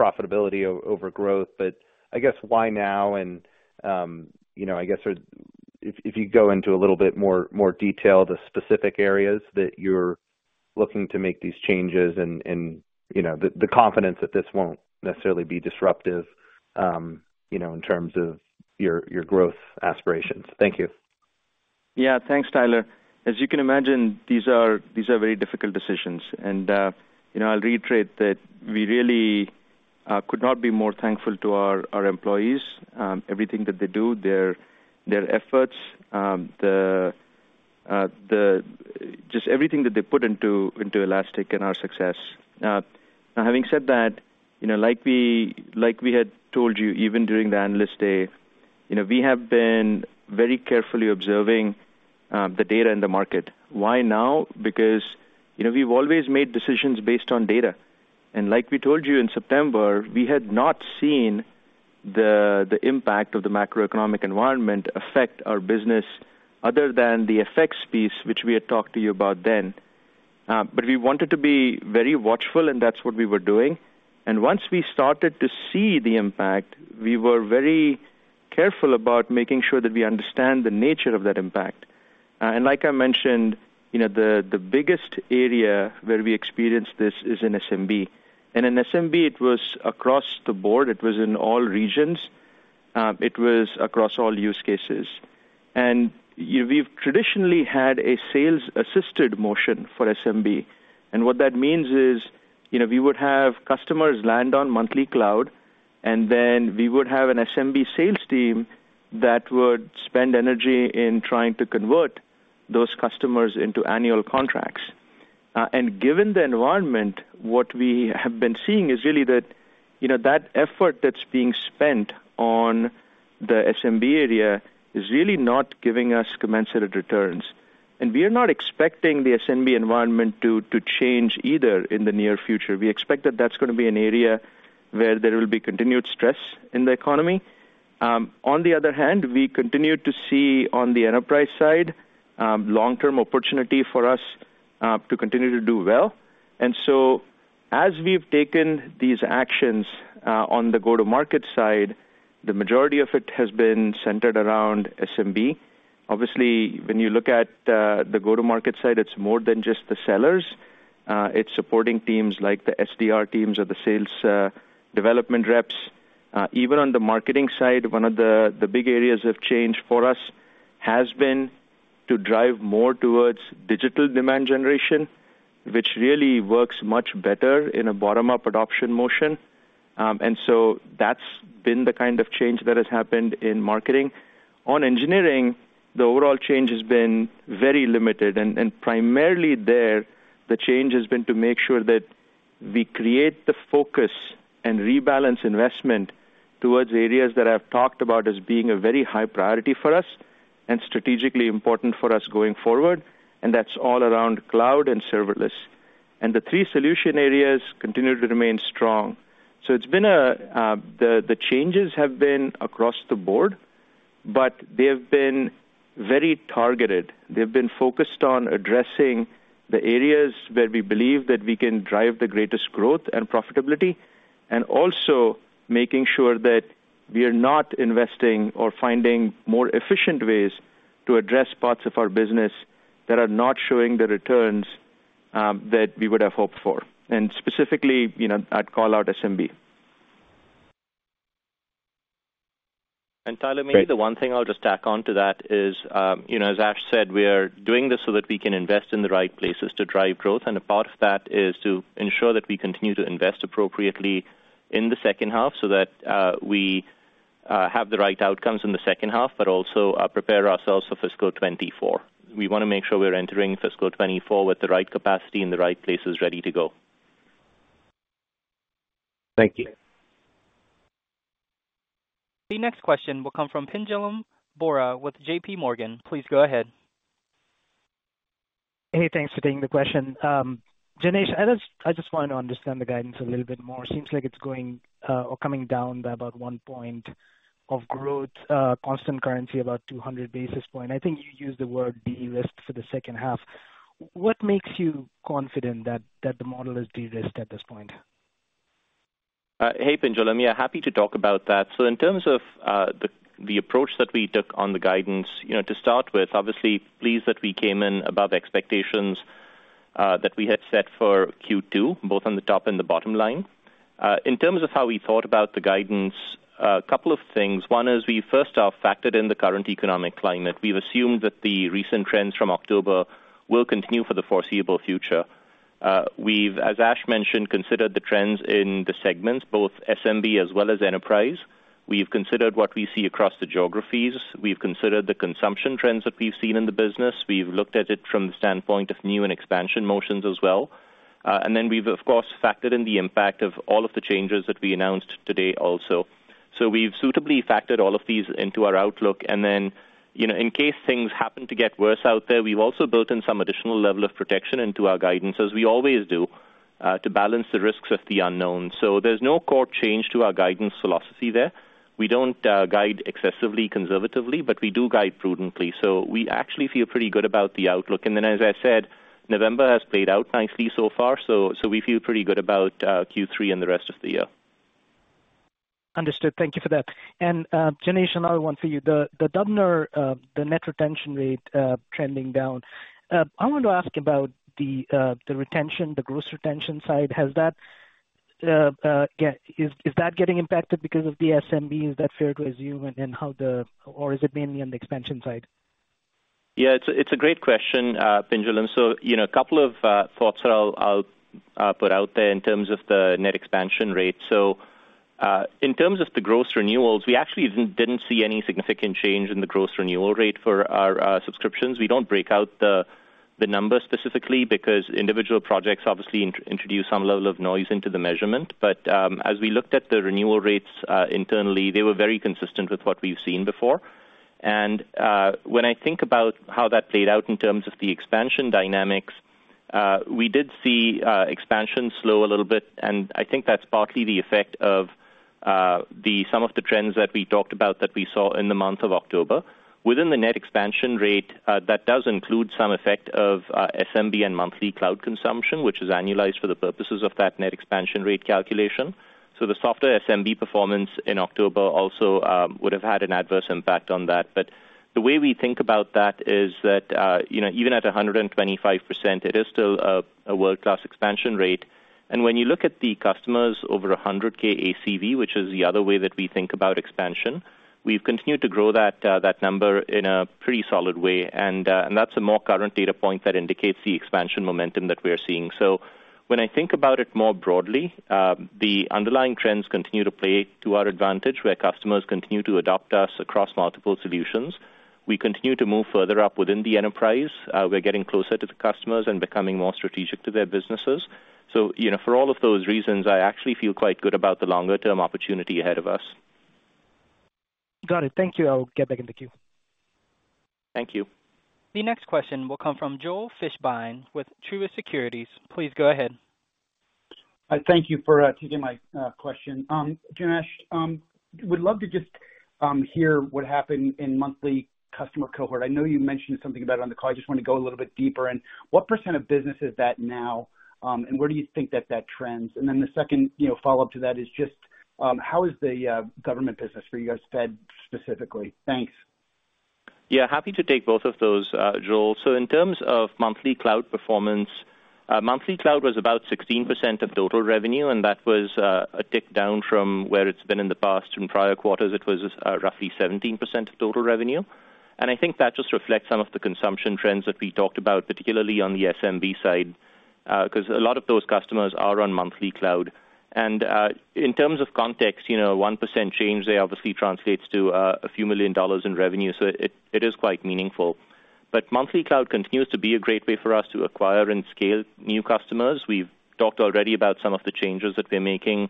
profitability over growth. I guess why now? You know, I guess if you go into a little bit more detail, the specific areas that you're looking to make these changes and, you know, the confidence that this won't necessarily be disruptive, you know, in terms of your growth aspirations. Thank you. Yeah. Thanks, Tyler. As you can imagine, these are very difficult decisions. You know, I'll reiterate that we could not be more thankful to our employees, everything that they do, their efforts, just everything that they put into Elastic and our success. Now having said that, you know, like we had told you even during the Analyst Day, you know, we have been very carefully observing the data in the market. Why now? Because, you know, we've always made decisions based on data. Like we told you in September, we had not seen the impact of the macroeconomic environment affect our business other than the FX piece which we had talked to you about then. But we wanted to be very watchful, and that's what we were doing. Once we started to see the impact, we were very careful about making sure that we understand the nature of that impact. Like I mentioned, you know, the biggest area where we experienced this is in SMB. In SMB, it was across the board, it was in all regions, it was across all use cases. We've traditionally had a sales-assisted motion for SMB, and what that means is, you know, we would have customers land on monthly cloud, and then we would have an SMB sales team that would spend energy in trying to convert those customers into annual contracts. Given the environment, what we have been seeing is really that, you know, that effort that's being spent on the SMB area is really not giving us commensurate returns. We are not expecting the SMB environment to change either in the near future. We expect that that's gonna be an area where there will be continued stress in the economy. On the other hand, we continue to see on the enterprise side, long-term opportunity for us to continue to do well. As we've taken these actions on the go-to-market side, the majority of it has been centered around SMB. Obviously, when you look at the go-to-market side, it's more than just the sellers. It's supporting teams like the SDR teams or the sales development reps. Even on the marketing side, one of the big areas of change for us has been to drive more towards digital demand generation, which really works much better in a bottom-up adoption motion. That's been the kind of change that has happened in marketing. On engineering, the overall change has been very limited, and primarily there, the change has been to make sure that we create the focus and rebalance investment towards areas that I've talked about as being a very high priority for us and strategically important for us going forward, and that's all around cloud and serverless. The three solution areas continue to remain strong. The changes have been across the board, but they have been very targeted. They've been focused on addressing the areas where we believe that we can drive the greatest growth and profitability, and also making sure that we are not investing or finding more efficient ways to address parts of our business that are not showing the returns, that we would have hoped for, and specifically, you know, I'd call out SMB. And Tyler- Great. Maybe the one thing I'll just tack on to that is, you know, as Ash said, we are doing this so that we can invest in the right places to drive growth, and a part of that is to ensure that we continue to invest appropriately in the second half so that we have the right outcomes in the second half, but also, prepare ourselves for fiscal 2024. We wanna make sure we're entering fiscal 2024 with the right capacity in the right places ready to go. Thank you. The next question will come from Pinjalim Bora with JPMorgan. Please go ahead. Hey, thanks for taking the question. Janesh, I just wanted to understand the guidance a little bit more. Seems like it's going or coming down by about one point of growth, constant currency, about 200 basis points. I think you used the word de-risk for the second half. What makes you confident that the model is de-risked at this point? Hey, Pinjalim. Yeah, happy to talk about that. In terms of the approach that we took on the guidance, you know, to start with, obviously pleased that we came in above expectations that we had set for Q2, both on the top and the bottom line. In terms of how we thought about the guidance, a couple of things. One is we first off factored in the current economic climate. We've assumed that the recent trends from October will continue for the foreseeable future. We've, as Ash mentioned, considered the trends in the segments, both SMB as well as enterprise. We've considered what we see across the geographies. We've considered the consumption trends that we've seen in the business. We've looked at it from the standpoint of new and expansion motions as well. We've of course, factored in the impact of all of the changes that we announced today also. We've suitably factored all of these into our outlook. You know, in case things happen to get worse out there, we've also built in some additional level of protection into our guidance, as we always do, to balance the risks of the unknown. There's no core change to our guidance philosophy there. We don't guide excessively conservatively, but we do guide prudently. We actually feel pretty good about the outlook. As I said, November has played out nicely so far, so we feel pretty good about Q3 and the rest of the year. Understood. Thank you for that. Janesh, another one for you. The DBNR, the net retention rate, trending down. I want to ask about the retention, the gross retention side. Has that getting impacted because of the SMB? Is that fair to assume? How the... Or is it mainly on the expansion side? Yeah, it's a great question, Pinjalim. you know, a couple of thoughts that I'll put out there in terms of the net expansion rate. in terms of the gross renewals, we actually didn't see any significant change in the gross renewal rate for our subscriptions. We don't break out the numbers specifically because individual projects obviously introduce some level of noise into the measurement. as we looked at the renewal rates internally, they were very consistent with what we've seen before. when I think about how that played out in terms of the expansion dynamics, we did see expansion slow a little bit, and I think that's partly the effect of the some of the trends that we talked about that we saw in the month of October. Within the Net Expansion Rate, that does include some effect of SMB and monthly cloud consumption, which is annualized for the purposes of that Net Expansion Rate calculation. The softer SMB performance in October also would have had an adverse impact on that. The way we think about that is that, you know, even at 125%, it is still a world-class Expansion Rate. When you look at the customers over 100,000 ACV, which is the other way that we think about expansion, we've continued to grow that number in a pretty solid way. That's a more current data point that indicates the expansion momentum that we're seeing. When I think about it more broadly, the underlying trends continue to play to our advantage, where customers continue to adopt us across multiple solutions. We continue to move further up within the enterprise. We're getting closer to the customers and becoming more strategic to their businesses. You know, for all of those reasons, I actually feel quite good about the longer term opportunity ahead of us. Got it. Thank you. I'll get back in the queue. Thank you. The next question will come from Joel Fishbein with Truist Securities. Please go ahead. Thank you for taking my question. Janesh, would love to just hear what happened in monthly customer cohort. I know you mentioned something about it on the call, I just wanna go a little bit deeper. What percent of business is that now, and where do you think that that trends? Then the second, you know, follow-up to that is just, how is the government business for you guys, Fed specifically? Thanks. Yeah, happy to take both of those, Joel. In terms of monthly cloud performance, monthly cloud was about 16% of total revenue, and that was a tick down from where it's been in the past. In prior quarters, it was roughly 17% of total revenue. I think that just reflects some of the consumption trends that we talked about, particularly on the SMB side, 'cause a lot of those customers are on monthly cloud. In terms of context, you know, 1% change there obviously translates to a few million dollars in revenue, so it is quite meaningful. But monthly cloud continues to be a great way for us to acquire and scale new customers. We've talked already about some of the changes that we're making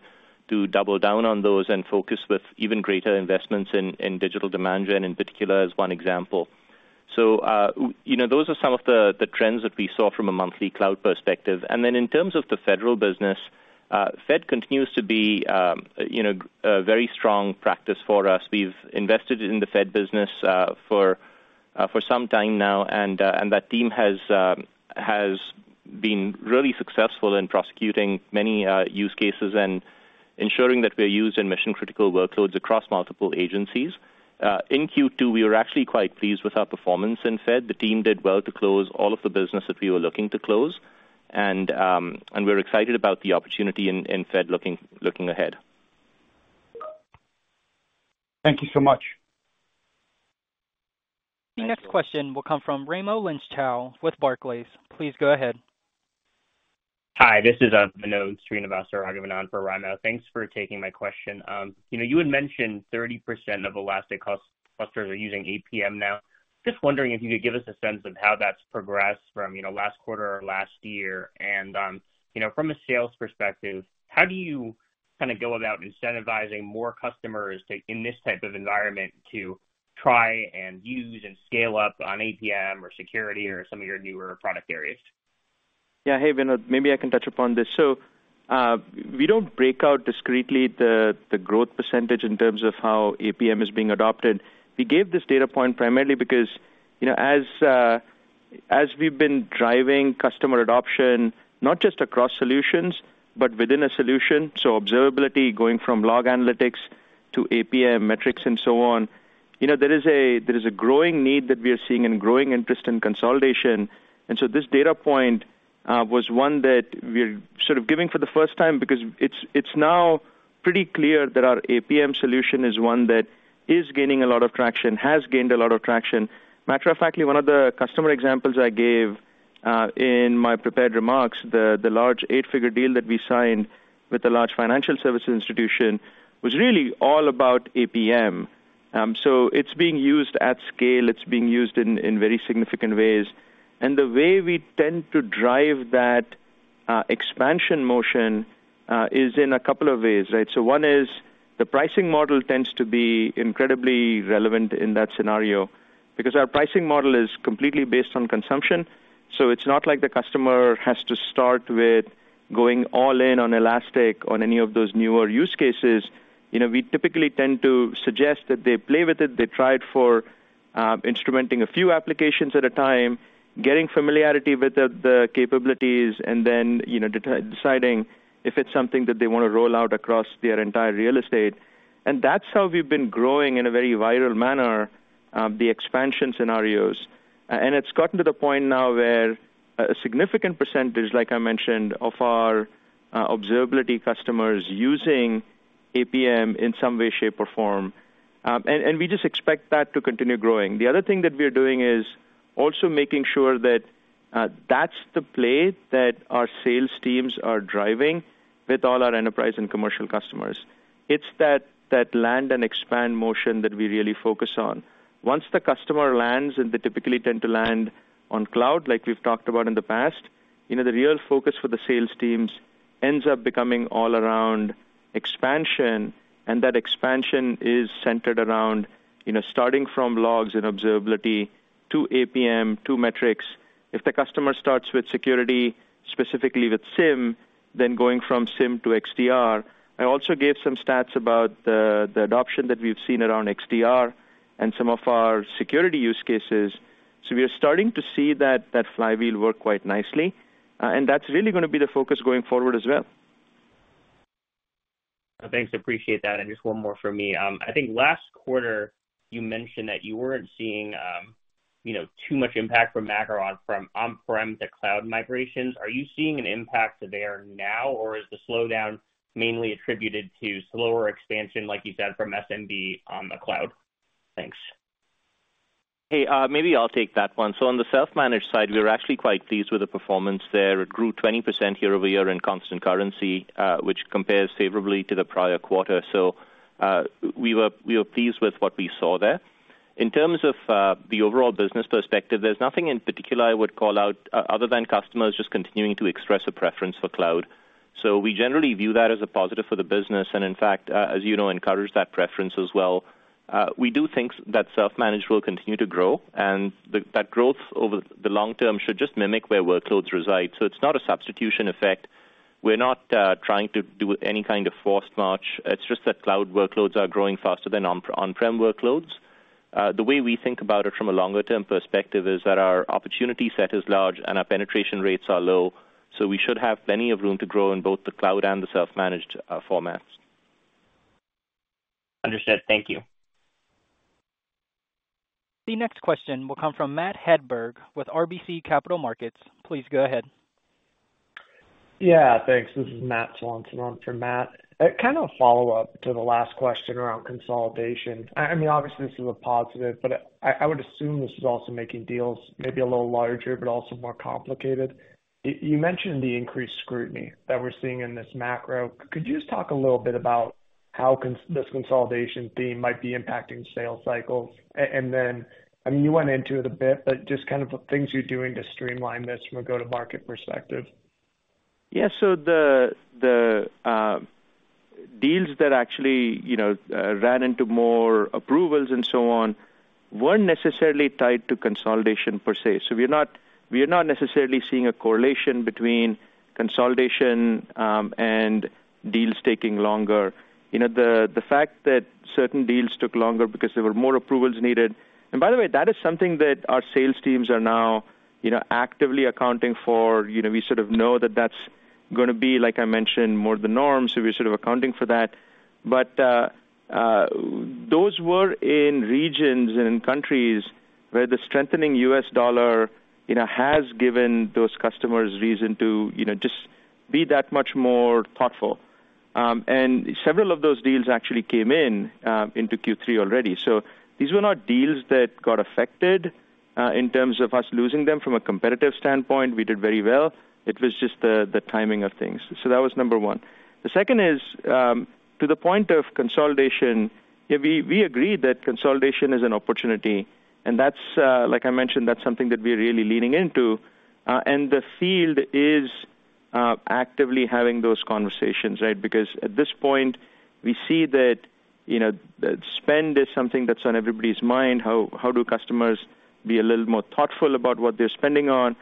to double down on those and focus with even greater investments in digital demand gen in particular, as one example. You know, those are some of the trends that we saw from a monthly cloud perspective. In terms of the federal business, Fed continues to be, you know, a very strong practice for us. We've invested in the Fed business for some time now, and that team has been really successful in prosecuting many use cases and ensuring that we're used in mission-critical workloads across multiple agencies. In Q2, we were actually quite pleased with our performance in Fed. The team did well to close all of the business that we were looking to close, and we're excited about the opportunity in Fed looking ahead. Thank you so much. The next question will come from Raimo Lenschow with Barclays. Please go ahead. Hi, this is Vinod Srinivasaraghavan on for Raimo. Thanks for taking my question. You know, you had mentioned 30% of Elastic clusters are using APM now. Just wondering if you could give us a sense of how that's progressed from, you know, last quarter or last year. You know, from a sales perspective, how do you kinda go about incentivizing more customers to, in this type of environment, to try and use and scale up on APM or security or some of your newer product areas? Yeah. Hey, Vinod, maybe I can touch upon this. We don't break out discretely the growth percentage in terms of how APM is being adopted. We gave this data point primarily because, you know, as we've been driving customer adoption, not just across solutions but within a solution, so observability going from log analytics to APM metrics and so on, you know, there is a growing need that we are seeing and growing interest in consolidation. This data point was one that we're sort of giving for the first time because it's now pretty clear that our APM solution is one that is gaining a lot of traction, has gained a lot of traction. Matter of fact, one of the customer examples I gave in my prepared remarks, the large eight-figure deal that we signed with a large financial services institution, was really all about APM. It's being used at scale. It's being used in very significant ways. The way we tend to drive that expansion motion is in a couple of ways, right. One is the pricing model tends to be incredibly relevant in that scenario because our pricing model is completely based on consumption, so it's not like the customer has to start with going all in on Elastic on any of those newer use cases. You know, we typically tend to suggest that they play with it, they try it for instrumenting a few applications at a time, getting familiarity with the capabilities, and then, you know, deciding if it's something that they wanna roll out across their entire real estate. That's how we've been growing in a very viral manner, the expansion scenarios. It's gotten to the point now where a significant percentage, like I mentioned, of our observability customers using. APM in some way, shape, or form. We just expect that to continue growing. The other thing that we are doing is also making sure that that's the play that our sales teams are driving with all our enterprise and commercial customers. It's that land and expand motion that we really focus on. Once the customer lands, and they typically tend to land on cloud, like we've talked about in the past, you know, the real focus for the sales teams ends up becoming all around expansion, and that expansion is centered around, you know, starting from logs and Elastic Observability to APM to metrics. If the customer starts with Elastic Security, specifically with SIEM, then going from SIEM to XDR. I also gave some stats about the adoption that we've seen around XDR and some of our Elastic Security use cases. We are starting to see that flywheel work quite nicely, and that's really gonna be the focus going forward as well. Thanks. Appreciate that. Just one more from me. I think last quarter you mentioned that you weren't seeing, you know, too much impact from macro from on-prem to cloud migrations. Are you seeing an impact there now, or is the slowdown mainly attributed to slower expansion, like you said, from SMB on the cloud? Thanks. Hey, maybe I'll take that one. On the self-managed side, we're actually quite pleased with the performance there. It grew 20% year-over-year in constant currency, which compares favorably to the prior quarter. We were pleased with what we saw there. In terms of the overall business perspective, there's nothing in particular I would call out other than customers just continuing to express a preference for cloud. We generally view that as a positive for the business, and in fact, as you know, encourage that preference as well. We do think that self-managed will continue to grow, and that growth over the long term should just mimic where workloads reside. It's not a substitution effect. We're not trying to do any kind of forced march. It's just that cloud workloads are growing faster than on-prem workloads. The way we think about it from a longer term perspective is that our opportunity set is large and our penetration rates are low. We should have plenty of room to grow in both the cloud and the self-managed formats. Understood. Thank you. The next question will come from Matt Hedberg with RBC Capital Markets. Please go ahead. Yeah, thanks. This is Matt Swanson on for Matt. A kind of follow-up to the last question around consolidation. I mean, obviously this is a positive, but I would assume this is also making deals maybe a little larger but also more complicated. You mentioned the increased scrutiny that we're seeing in this macro. Could you just talk a little bit about how this consolidation theme might be impacting sales cycles? I mean, you went into it a bit, but just kind of the things you're doing to streamline this from a go-to-market perspective. The deals that actually, you know, ran into more approvals and so on weren't necessarily tied to consolidation per se. We are not necessarily seeing a correlation between consolidation and deals taking longer. You know, the fact that certain deals took longer because there were more approvals needed. By the way, that is something that our sales teams are now, you know, actively accounting for. You know, we sort of know that that's gonna be, like I mentioned, more the norm, so we're sort of accounting for that. Those were in regions and in countries where the strengthening U.S. dollar, you know, has given those customers reason to, you know, just be that much more thoughtful. Several of those deals actually came in into Q3 already. These were not deals that got affected in terms of us losing them from a competitive standpoint. We did very well. It was just the timing of things. That was number one. The second is, to the point of consolidation, yeah, we agree that consolidation is an opportunity, and that's, like I mentioned, that's something that we're really leaning into. The field is actively having those conversations, right? Because at this point, we see that, you know, spend is something that's on everybody's mind. How do customers be a little more thoughtful about what they're spending on?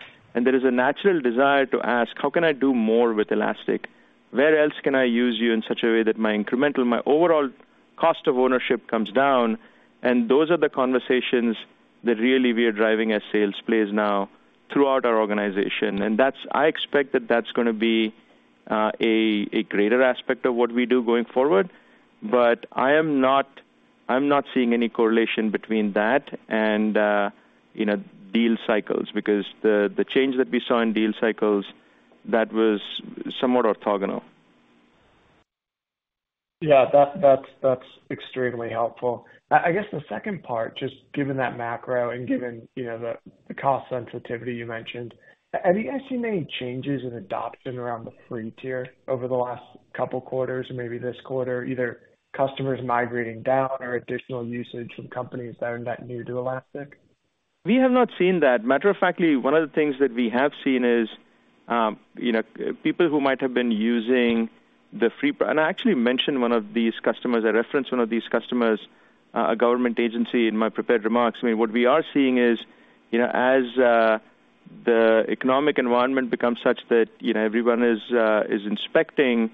There is a natural desire to ask, "How can I do more with Elastic? Where else can I use you in such a way that my incremental, my overall cost of ownership comes down?" Those are the conversations that really we are driving as sales plays now throughout our organization. That's. I expect that that's going to be a greater aspect of what we do going forward. I'm not seeing any correlation between that and, you know, deal cycles because the change that we saw in deal cycles, that was somewhat orthogonal. Yeah. That's extremely helpful. I guess the second part, just given that macro and given, you know, the cost sensitivity you mentioned, have you guys seen any changes in adoption around the free tier over the last couple quarters or maybe this quarter, either customers migrating down or additional usage from companies that are net new to Elastic? We have not seen that. Matter of factly, one of the things that we have seen is, you know, people who might have been using the free. I actually mentioned one of these customers. I referenced one of these customers, a government agency, in my prepared remarks. I mean, what we are seeing is, you know, as the economic environment becomes such that, you know, everyone is inspecting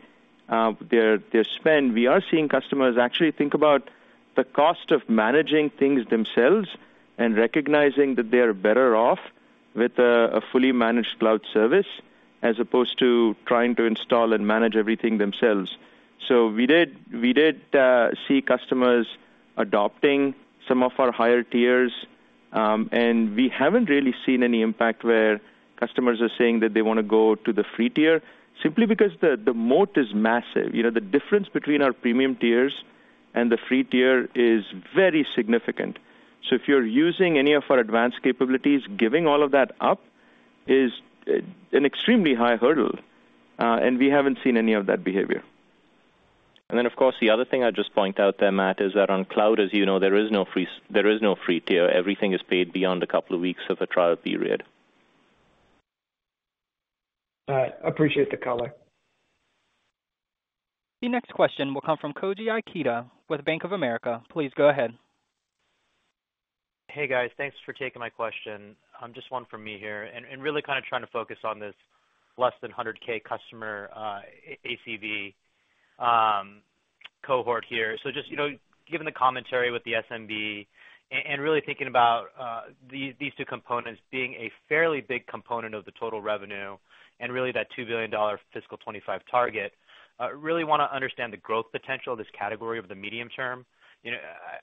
their spend, we are seeing customers actually think about the cost of managing things themselves and recognizing that they are better off with a fully managed cloud service as opposed to trying to install and manage everything themselves. We did see customers adopting some of our higher tiers. We haven't really seen any impact where customers are saying that they wanna go to the free tier simply because the moat is massive. You know, the difference between our premium tiers and the free tier is very significant. If you're using any of our advanced capabilities, giving all of that up is an extremely high hurdle, and we haven't seen any of that behavior. Of course, the other thing I'd just point out there, Matt, is that on cloud, as you know, there is no free tier. Everything is paid beyond a couple of weeks of a trial period. All right. Appreciate the color. The next question will come from Koji Ikeda with Bank of America. Please go ahead. Hey, guys. Thanks for taking my question. Just one from me here, and really kind of trying to focus on this less than 100,000 customer, ACV, cohort here. Just, you know, given the commentary with the SMB and really thinking about these two components being a fairly big component of the total revenue and really that $2 billion fiscal 2025 target, really wanna understand the growth potential of this category over the medium term. You know,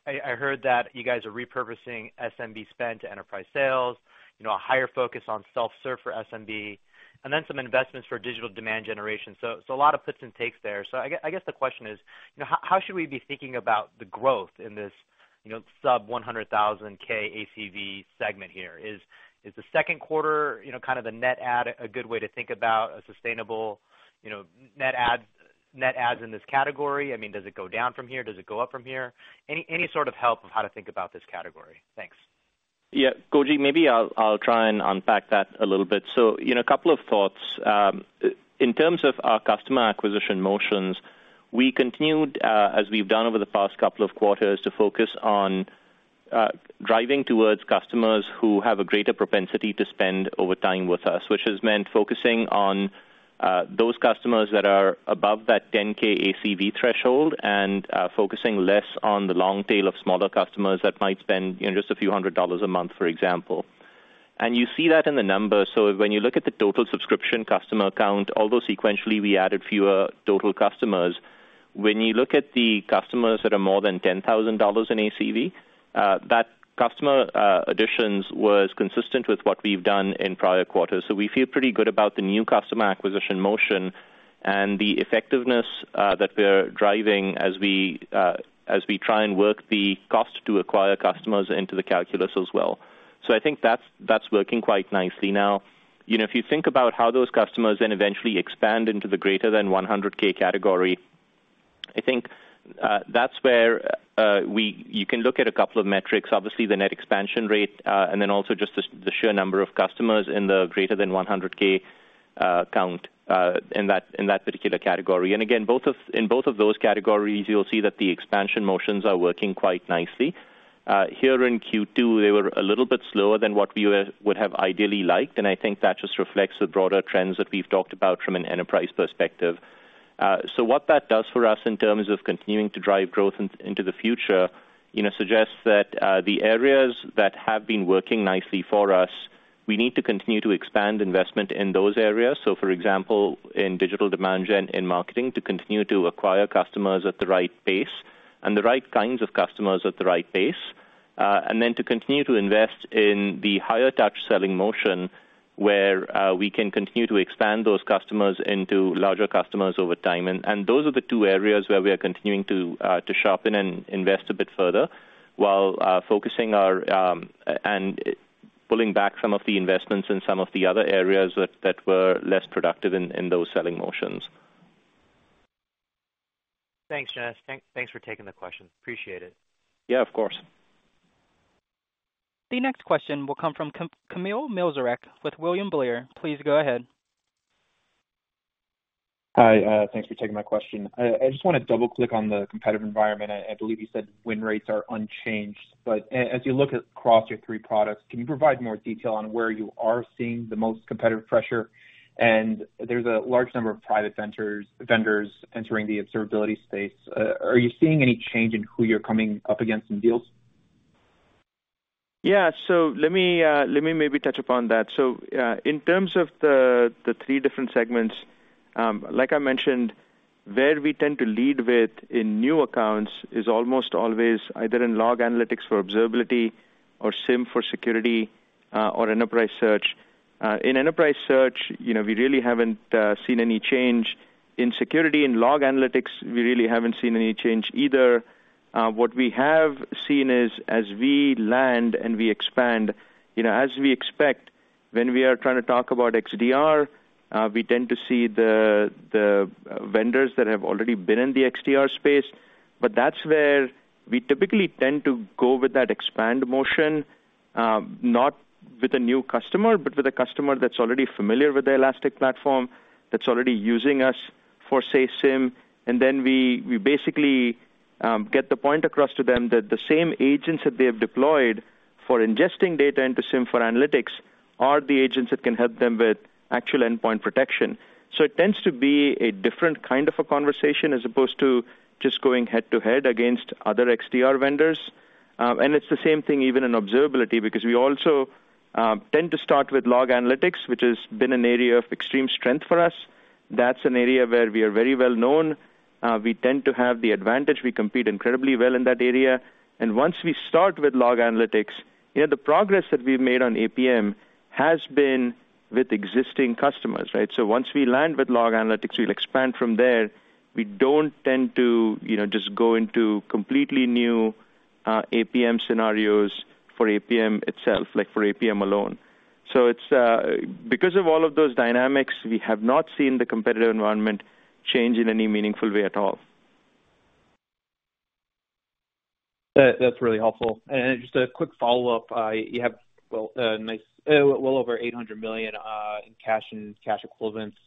I heard that you guys are repurposing SMB spend to enterprise sales, you know, a higher focus on self-serve for SMB, and then some investments for digital demand generation. A lot of puts and takes there. I guess the question is, you know, how should we be thinking about the growth in this, you know, sub $100,000 K ACV segment here? Is the second quarter, you know, kind of the net adds a good way to think about a sustainable, you know, net adds in this category? I mean, does it go down from here? Does it go up from here? Any sort of help of how to think about this category? Thanks. Yeah. Koji, maybe I'll try and unpack that a little. You know, a couple of thoughts. In terms of our customer acquisition motions, we continued, as we've done over the past couple of quarters, to focus on driving towards customers who have a greater propensity to spend over time with us, which has meant focusing on those customers that are above that 10,000 ACV threshold and focusing less on the long tail of smaller customers that might spend, you know, just a few hundred dollars a month, for example. You see that in the numbers. When you look at the total subscription customer count, although sequentially we added fewer total customers, when you look at the customers that are more than $10,000 in ACV, that customer additions was consistent with what we've done in prior quarters. We feel pretty good about the new customer acquisition motion and the effectiveness that we're driving as we try and work the cost to acquire customers into the calculus as well. I think that's working quite nicely. You know, if you think about how those customers then eventually expand into the greater than 100,000 category, I think, that's where you can look at a couple of metrics, obviously the Net Expansion Rate, and then also just the sheer number of customers in the greater than 100,000 count in that particular category. Again, In both of those categories, you'll see that the expansion motions are working quite nicely. Here in Q2, they were a little bit slower than what we would have ideally liked, and I think that just reflects the broader trends that we've talked about from an enterprise perspective. What that does for us in terms of continuing to drive growth into the future, you know, suggests that the areas that have been working nicely for us, we need to continue to expand investment in those areas. For example, in digital demand gen, in marketing, to continue to acquire customers at the right pace and the right kinds of customers at the right pace. To continue to invest in the higher touch selling motion where we can continue to expand those customers into larger customers over time. Those are the two areas where we are continuing to sharpen and invest a bit further while focusing our and pulling back some of the investments in some of the other areas that were less productive in those selling motions. Thanks, Janesh. Thanks for taking the question. Appreciate it. Yeah, of course. The next question will come from Kamil Mielczarek with William Blair. Please go ahead. Hi. Thanks for taking my question. I just wanna double-click on the competitive environment. I believe you said win rates are unchanged. as you look at across your three products, can you provide more detail on where you are seeing the most competitive pressure? There's a large number of private vendors entering the observability space. Are you seeing any change in who you're coming up against in deals? Yeah. Let me maybe touch upon that. In terms of the three different segments, like I mentioned, where we tend to lead with in new accounts is almost always either in log analytics for observability or SIEM for security, or enterprise search. In enterprise search, you know, we really haven't seen any change. In security and log analytics, we really haven't seen any change either. What we have seen is as we land and we expand, you know, as we expect when we are trying to talk about XDR, we tend to see the vendors that have already been in the XDR space. That's where we typically tend to go with that expand motion, not with a new customer, but with a customer that's already familiar with the Elastic platform, that's already using us for, say, SIEM. Then we basically get the point across to them that the same agents that they have deployed for ingesting data into SIEM for analytics are the agents that can help them with actual endpoint protection. It tends to be a different kind of a conversation as opposed to just going head-to-head against other XDR vendors. It's the same thing even in observability, because we also tend to start with log analytics, which has been an area of extreme strength for us. That's an area where we are very well-known. We tend to have the advantage. We compete incredibly well in that area. Once we start with log analytics, you know, the progress that we've made on APM has been with existing customers, right? Once we land with log analytics, we'll expand from there. We don't tend to, you know, just go into completely new APM scenarios for APM itself, like for APM alone. It's because of all of those dynamics, we have not seen the competitive environment change in any meaningful way at all. That's really helpful. Just a quick follow-up. You have, well over $800 million in cash and cash equivalents.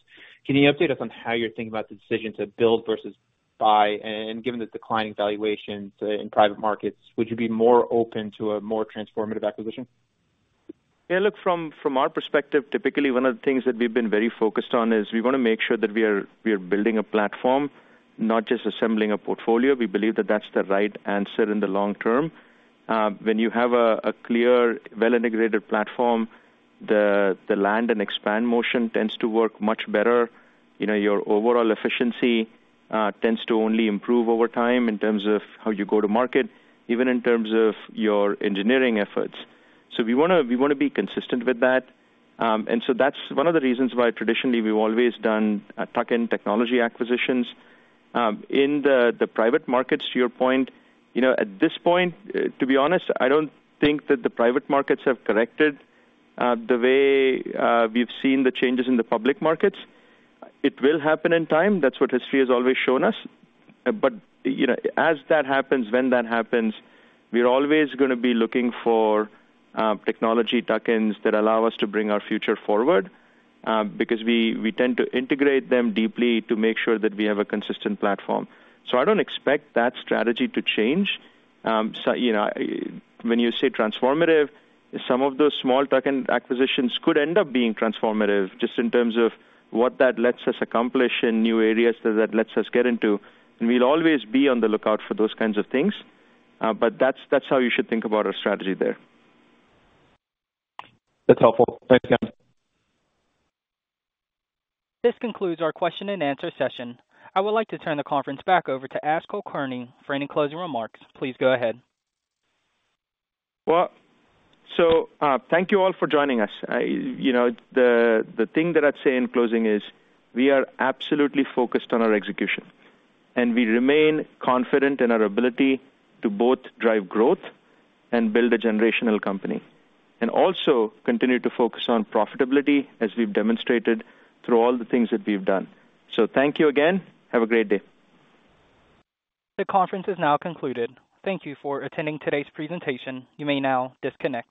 Can you update us on how you're thinking about the decision to build versus buy? Given the declining valuations in private markets, would you be more open to a more transformative acquisition? Look, from our perspective, typically one of the things that we've been very focused on is we wanna make sure that we are building a platform, not just assembling a portfolio. We believe that that's the right answer in the long term. When you have a clear, well-integrated platform, the land and expand motion tends to work much better. You know, your overall efficiency tends to only improve over time in terms of how you go to market, even in terms of your engineering efforts. We wanna be consistent with that. That's one of the reasons why traditionally we've always done tuck-in technology acquisitions. In the private markets, to your point, you know, at this point, to be honest, I don't think that the private markets have corrected the way we've seen the changes in the public markets. It will happen in time. That's what history has always shown us. You know, as that happens, when that happens, we're always gonna be looking for technology tuck-ins that allow us to bring our future forward, because we tend to integrate them deeply to make sure that we have a consistent platform. I don't expect that strategy to change. You know, when you say transformative, some of those small tuck-in acquisitions could end up being transformative just in terms of what that lets us accomplish in new areas that lets us get into. We'll always be on the lookout for those kinds of things. That's how you should think about our strategy there. That's helpful. Thanks again. This concludes our question and answer session. I would like to turn the conference back over to Ash Kulkarni for any closing remarks. Please go ahead. Well, thank you all for joining us. You know, the thing that I'd say in closing is we are absolutely focused on our execution, and we remain confident in our ability to both drive growth and build a generational company. Also continue to focus on profitability as we've demonstrated through all the things that we've done. Thank you again. Have a great day. The conference is now concluded. Thank you for attending today's presentation. You may now disconnect.